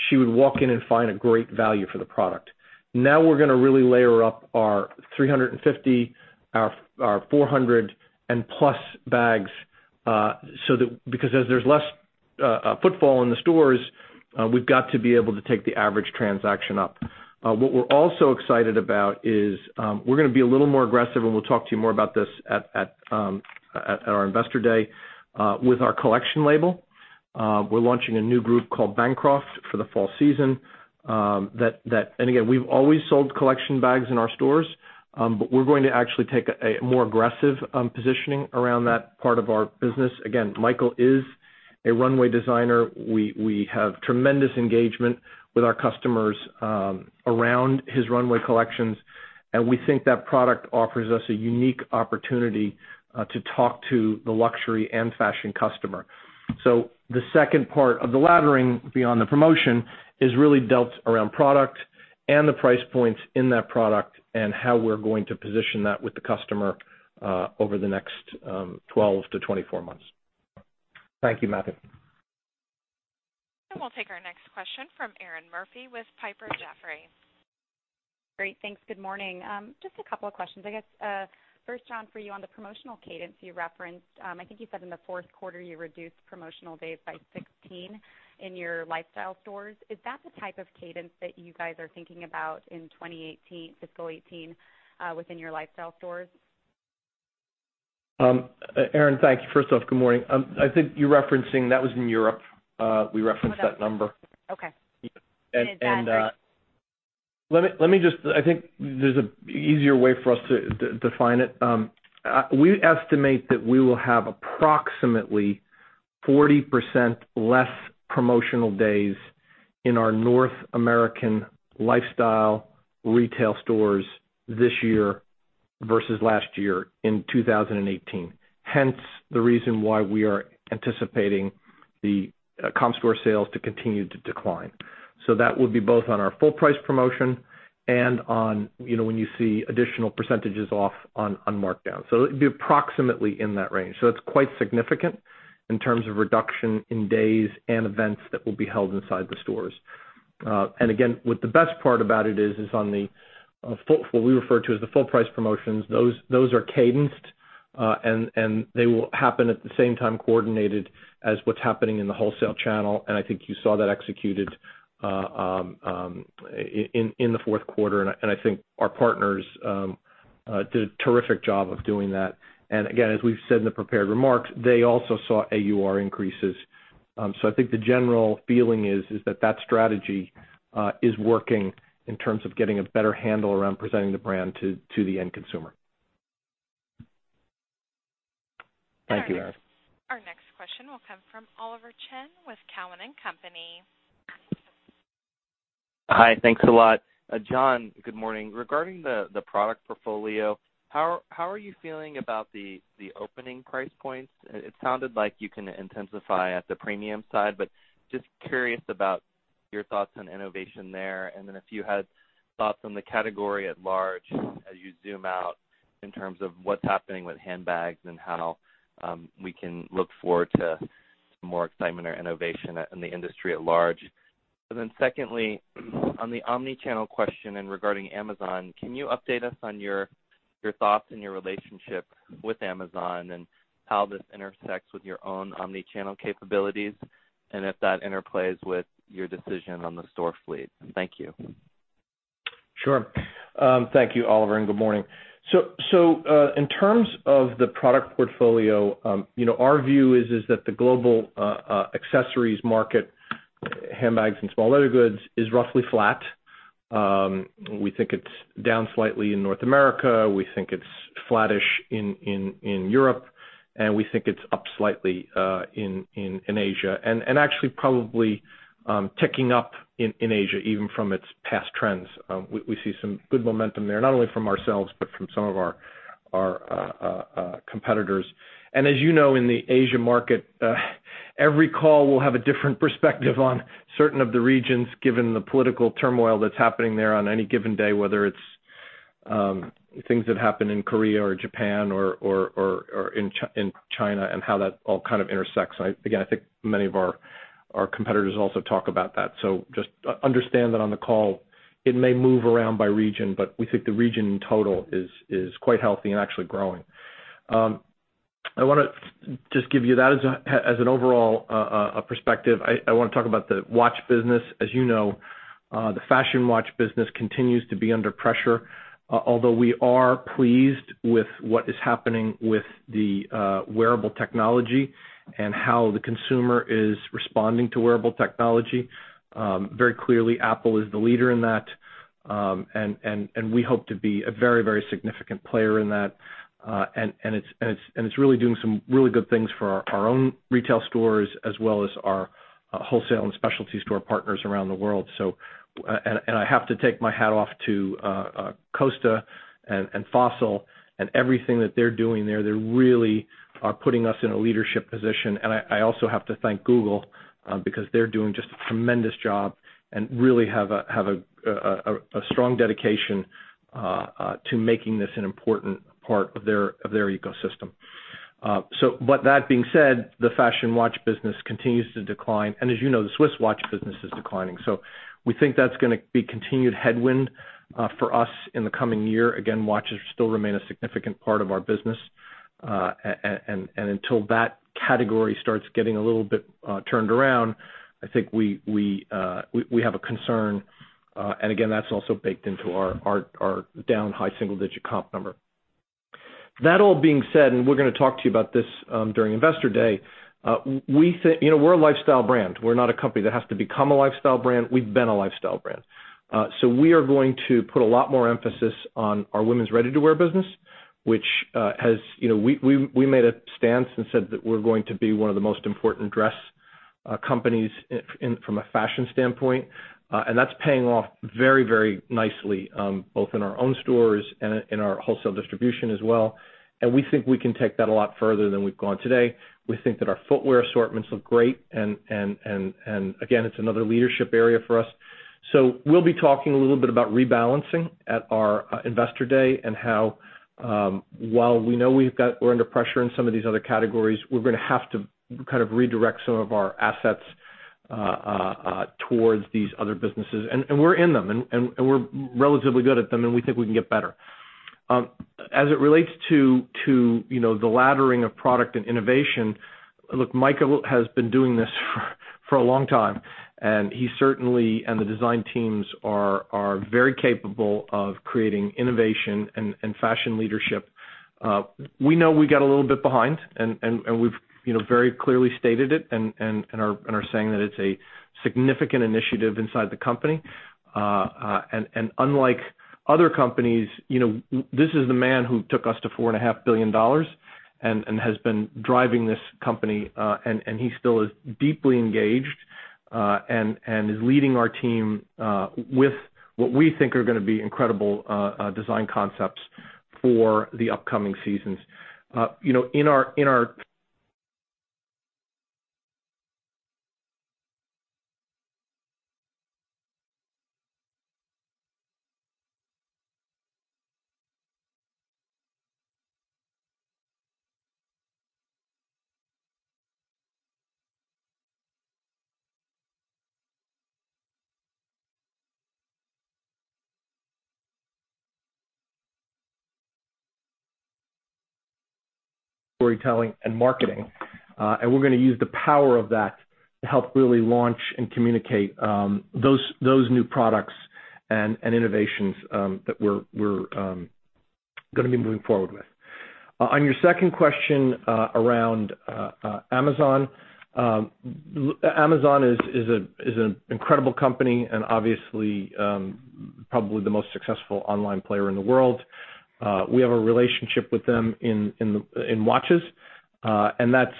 she would walk in and find a great value for the product. Now we're going to really layer up our $350, our $400 and plus bags because as there's less footfall in the stores, we've got to be able to take the average transaction up. What we're also excited about is we're going to be a little more aggressive, and we'll talk to you more about this at our investor day with our collection label. We're launching a new group called Bancroft for the fall season. Again, we've always sold collection bags in our stores, but we're going to actually take a more aggressive positioning around that part of our business. Again, Michael is a runway designer. We have tremendous engagement with our customers around his runway collections, and we think that product offers us a unique opportunity to talk to the luxury and fashion customer. The second part of the laddering beyond the promotion is really built around product and the price points in that product and how we're going to position that with the customer over the next 12 to 24 months. Thank you, Matthew. We'll take our next question from Erinn Murphy with Piper Jaffray. Great. Thanks. Good morning. Just a couple of questions. I guess, first, John, for you on the promotional cadence you referenced, I think you said in the fourth quarter you reduced promotional days by 16 in your lifestyle stores. Is that the type of cadence that you guys are thinking about in 2018, fiscal 2018, within your lifestyle stores? Erinn, thank you. First off, good morning. I think you're referencing, that was in Europe, we referenced that number. Okay. And- that- Let me just I think there's an easier way for us to define it. We estimate that we will have approximately 40% less promotional days in our North American lifestyle retail stores this year versus last year in 2018, hence the reason why we are anticipating the comp store sales to continue to decline. That would be both on our full price promotion and on when you see additional percentages off on markdown. It'd be approximately in that range. It's quite significant in terms of reduction in days and events that will be held inside the stores. Again, what the best part about it is on what we refer to as the full price promotions. Those are cadenced, and they will happen at the same time coordinated as what's happening in the wholesale channel, and I think you saw that executed in the fourth quarter, and I think our partners did a terrific job of doing that. Again, as we've said in the prepared remarks, they also saw AUR increases. I think the general feeling is that that strategy is working in terms of getting a better handle around presenting the brand to the end consumer. Thank you, Erinn. Our next question will come from Oliver Chen with Cowen and Company. Hi. Thanks a lot. John, good morning. Regarding the product portfolio, how are you feeling about the opening price points? It sounded like you can intensify at the premium side, but just curious about your thoughts on innovation there, and then if you had thoughts on the category at large as you zoom out in terms of what's happening with handbags and how we can look forward to more excitement or innovation in the industry at large. Then secondly, on the omnichannel question and regarding Amazon, can you update us on your thoughts and your relationship with Amazon and how this intersects with your own omnichannel capabilities, and if that interplays with your decision on the store fleet? Thank you. Sure. Thank you, Oliver, and good morning. In terms of the product portfolio, our view is that the global accessories market, handbags and small leather goods, is roughly flat. We think it's down slightly in North America, we think it's flattish in Europe, and we think it's up slightly in Asia. Actually probably ticking up in Asia, even from its past trends. We see some good momentum there, not only from ourselves, but from some of our competitors. As you know, in the Asia market, every call will have a different perspective on certain of the regions, given the political turmoil that's happening there on any given day, whether it's things that happen in Korea or Japan or in China, and how that all kind of intersects. Again, I think many of our competitors also talk about that. Just understand that on the call, it may move around by region, but we think the region in total is quite healthy and actually growing. I want to just give you that as an overall perspective. I want to talk about the watch business. As you know, the fashion watch business continues to be under pressure. Although we are pleased with what is happening with the wearable technology and how the consumer is responding to wearable technology. Very clearly Apple is the leader in that. We hope to be a very, very significant player in that. It's really doing some really good things for our own retail stores as well as our wholesale and specialty store partners around the world. I have to take my hat off to Kosta and Fossil and everything that they're doing there. They're really putting us in a leadership position. I also have to thank Google, because they're doing just a tremendous job and really have a strong dedication to making this an important part of their ecosystem. That being said, the fashion watch business continues to decline. As you know, the Swiss watch business is declining. We think that's going to be continued headwind for us in the coming year. Again, watches still remain a significant part of our business. Until that category starts getting a little bit turned around, I think we have a concern. Again, that's also baked into our down high single-digit comp number. That all being said, we're going to talk to you about this during Investor Day. We're a lifestyle brand. We're not a company that has to become a lifestyle brand. We've been a lifestyle brand. We are going to put a lot more emphasis on our women's ready-to-wear business. We made a stance and said that we're going to be one of the most important dress companies from a fashion standpoint. That's paying off very, very nicely, both in our own stores and in our wholesale distribution as well. We think we can take that a lot further than we've gone today. We think that our footwear assortments look great, and again, it's another leadership area for us. We'll be talking a little bit about rebalancing at our Investor Day and how, while we know we're under pressure in some of these other categories, we're going to have to redirect some of our assets towards these other businesses. We're in them, and we're relatively good at them, and we think we can get better. As it relates to the laddering of product and innovation, look, Michael has been doing this for a long time, and he certainly, and the design teams are very capable of creating innovation and fashion leadership. We know we got a little bit behind, and we've very clearly stated it, and are saying that it's a significant initiative inside the company. Unlike other companies, this is the man who took us to $4.5 billion and has been driving this company, and he still is deeply engaged and is leading our team with what we think are going to be incredible design concepts for the upcoming seasons. In our storytelling and marketing, we're going to use the power of that to help really launch and communicate those new products and innovations that we're going to be moving forward with. On your second question around Amazon. Amazon is an incredible company and obviously, probably the most successful online player in the world. We have a relationship with them in watches, and that's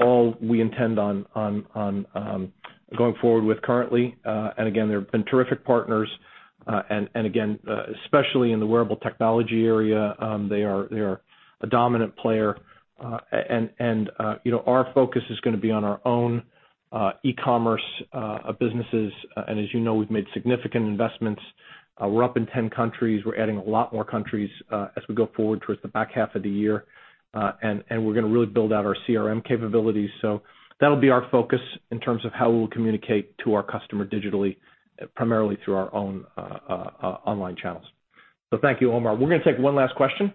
all we intend on going forward with currently. Again, they've been terrific partners, and again, especially in the wearable technology area, they are a dominant player. Our focus is going to be on our own e-commerce businesses. As you know, we've made significant investments. We're up in 10 countries. We're adding a lot more countries as we go forward towards the back half of the year. We're going to really build out our CRM capabilities. That'll be our focus in terms of how we'll communicate to our customer digitally, primarily through our own online channels. Thank you, Omar. We're going to take one last question.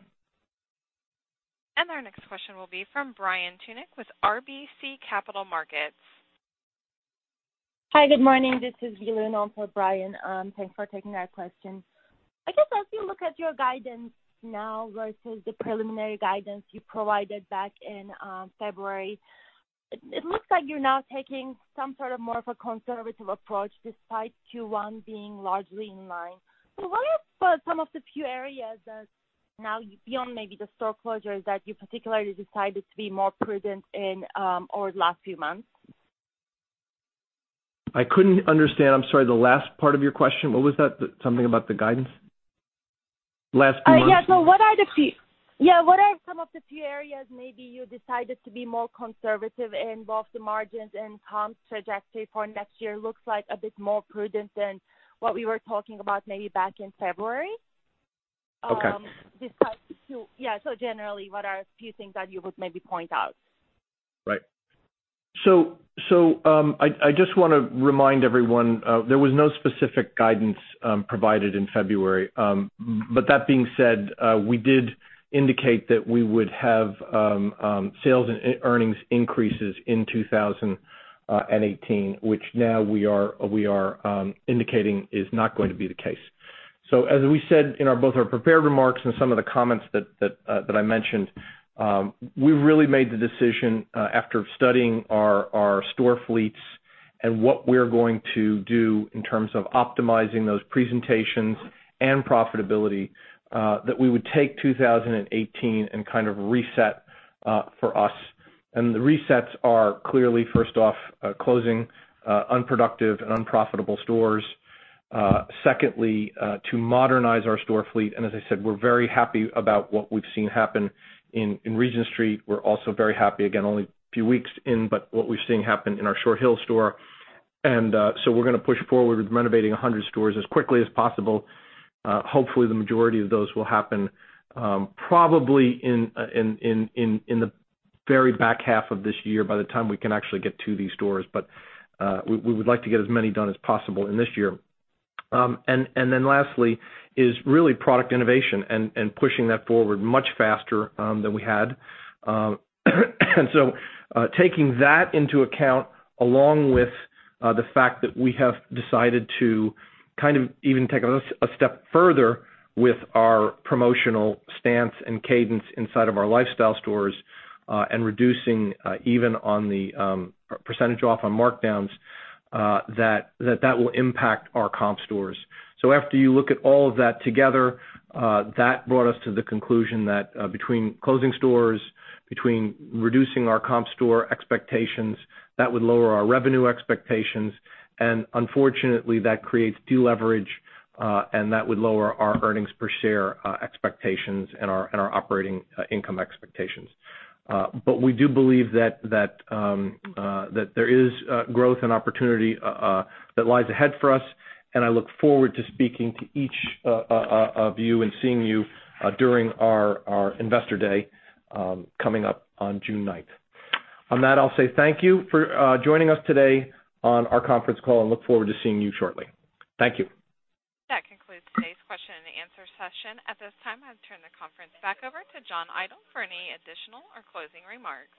Our next question will be from Brian Tunick with RBC Capital Markets. Hi, good morning. This is [Vilu] in all for Brian. Thanks for taking our questions. I guess as you look at your guidance now versus the preliminary guidance you provided back in February, it looks like you're now taking some sort of more of a conservative approach despite Q1 being largely in line. What are some of the few areas that now, beyond maybe the store closures, that you particularly decided to be more prudent in over the last few months? I couldn't understand, I'm sorry, the last part of your question. What was that? Something about the guidance? Yeah. What are some of the few areas maybe you decided to be more conservative in both the margins and comps trajectory for next year? Looks like a bit more prudent than what we were talking about maybe back in February. Okay. Yeah. Generally, what are a few things that you would maybe point out? Right. I just want to remind everyone, there was no specific guidance provided in February. That being said, we did indicate that we would have sales and earnings increases in 2018, which now we are indicating is not going to be the case. As we said in both our prepared remarks and some of the comments that I mentioned, we really made the decision after studying our store fleets and what we're going to do in terms of optimizing those presentations and profitability, that we would take 2018 and kind of reset for us. The resets are clearly, first off, closing unproductive and unprofitable stores. Secondly, to modernize our store fleet. As I said, we're very happy about what we've seen happen in Regent Street. We're also very happy, again, only a few weeks in, but what we're seeing happen in our Short Hills store. We're going to push forward with renovating 100 stores as quickly as possible. Hopefully, the majority of those will happen probably in the very back half of this year by the time we can actually get to these stores. We would like to get as many done as possible in this year. Lastly is really product innovation and pushing that forward much faster than we had. Taking that into account, along with the fact that we have decided to even take a step further with our promotional stance and cadence inside of our lifestyle stores, and reducing even on the percentage off on markdowns, that that will impact our comp stores. After you look at all of that together, that brought us to the conclusion that between closing stores, between reducing our comp store expectations, that would lower our revenue expectations. Unfortunately, that creates deleverage, and that would lower our earnings per share expectations and our operating income expectations. We do believe that there is growth and opportunity that lies ahead for us, and I look forward to speaking to each of you and seeing you during our investor day coming up on June 9th. On that, I'll say thank you for joining us today on our conference call and look forward to seeing you shortly. Thank you. That concludes today's question and answer session. At this time, I'll turn the conference back over to John Idol for any additional or closing remarks.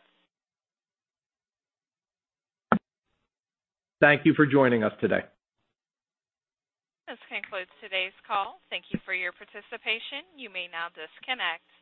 Thank you for joining us today. This concludes today's call. Thank you for your participation. You may now disconnect.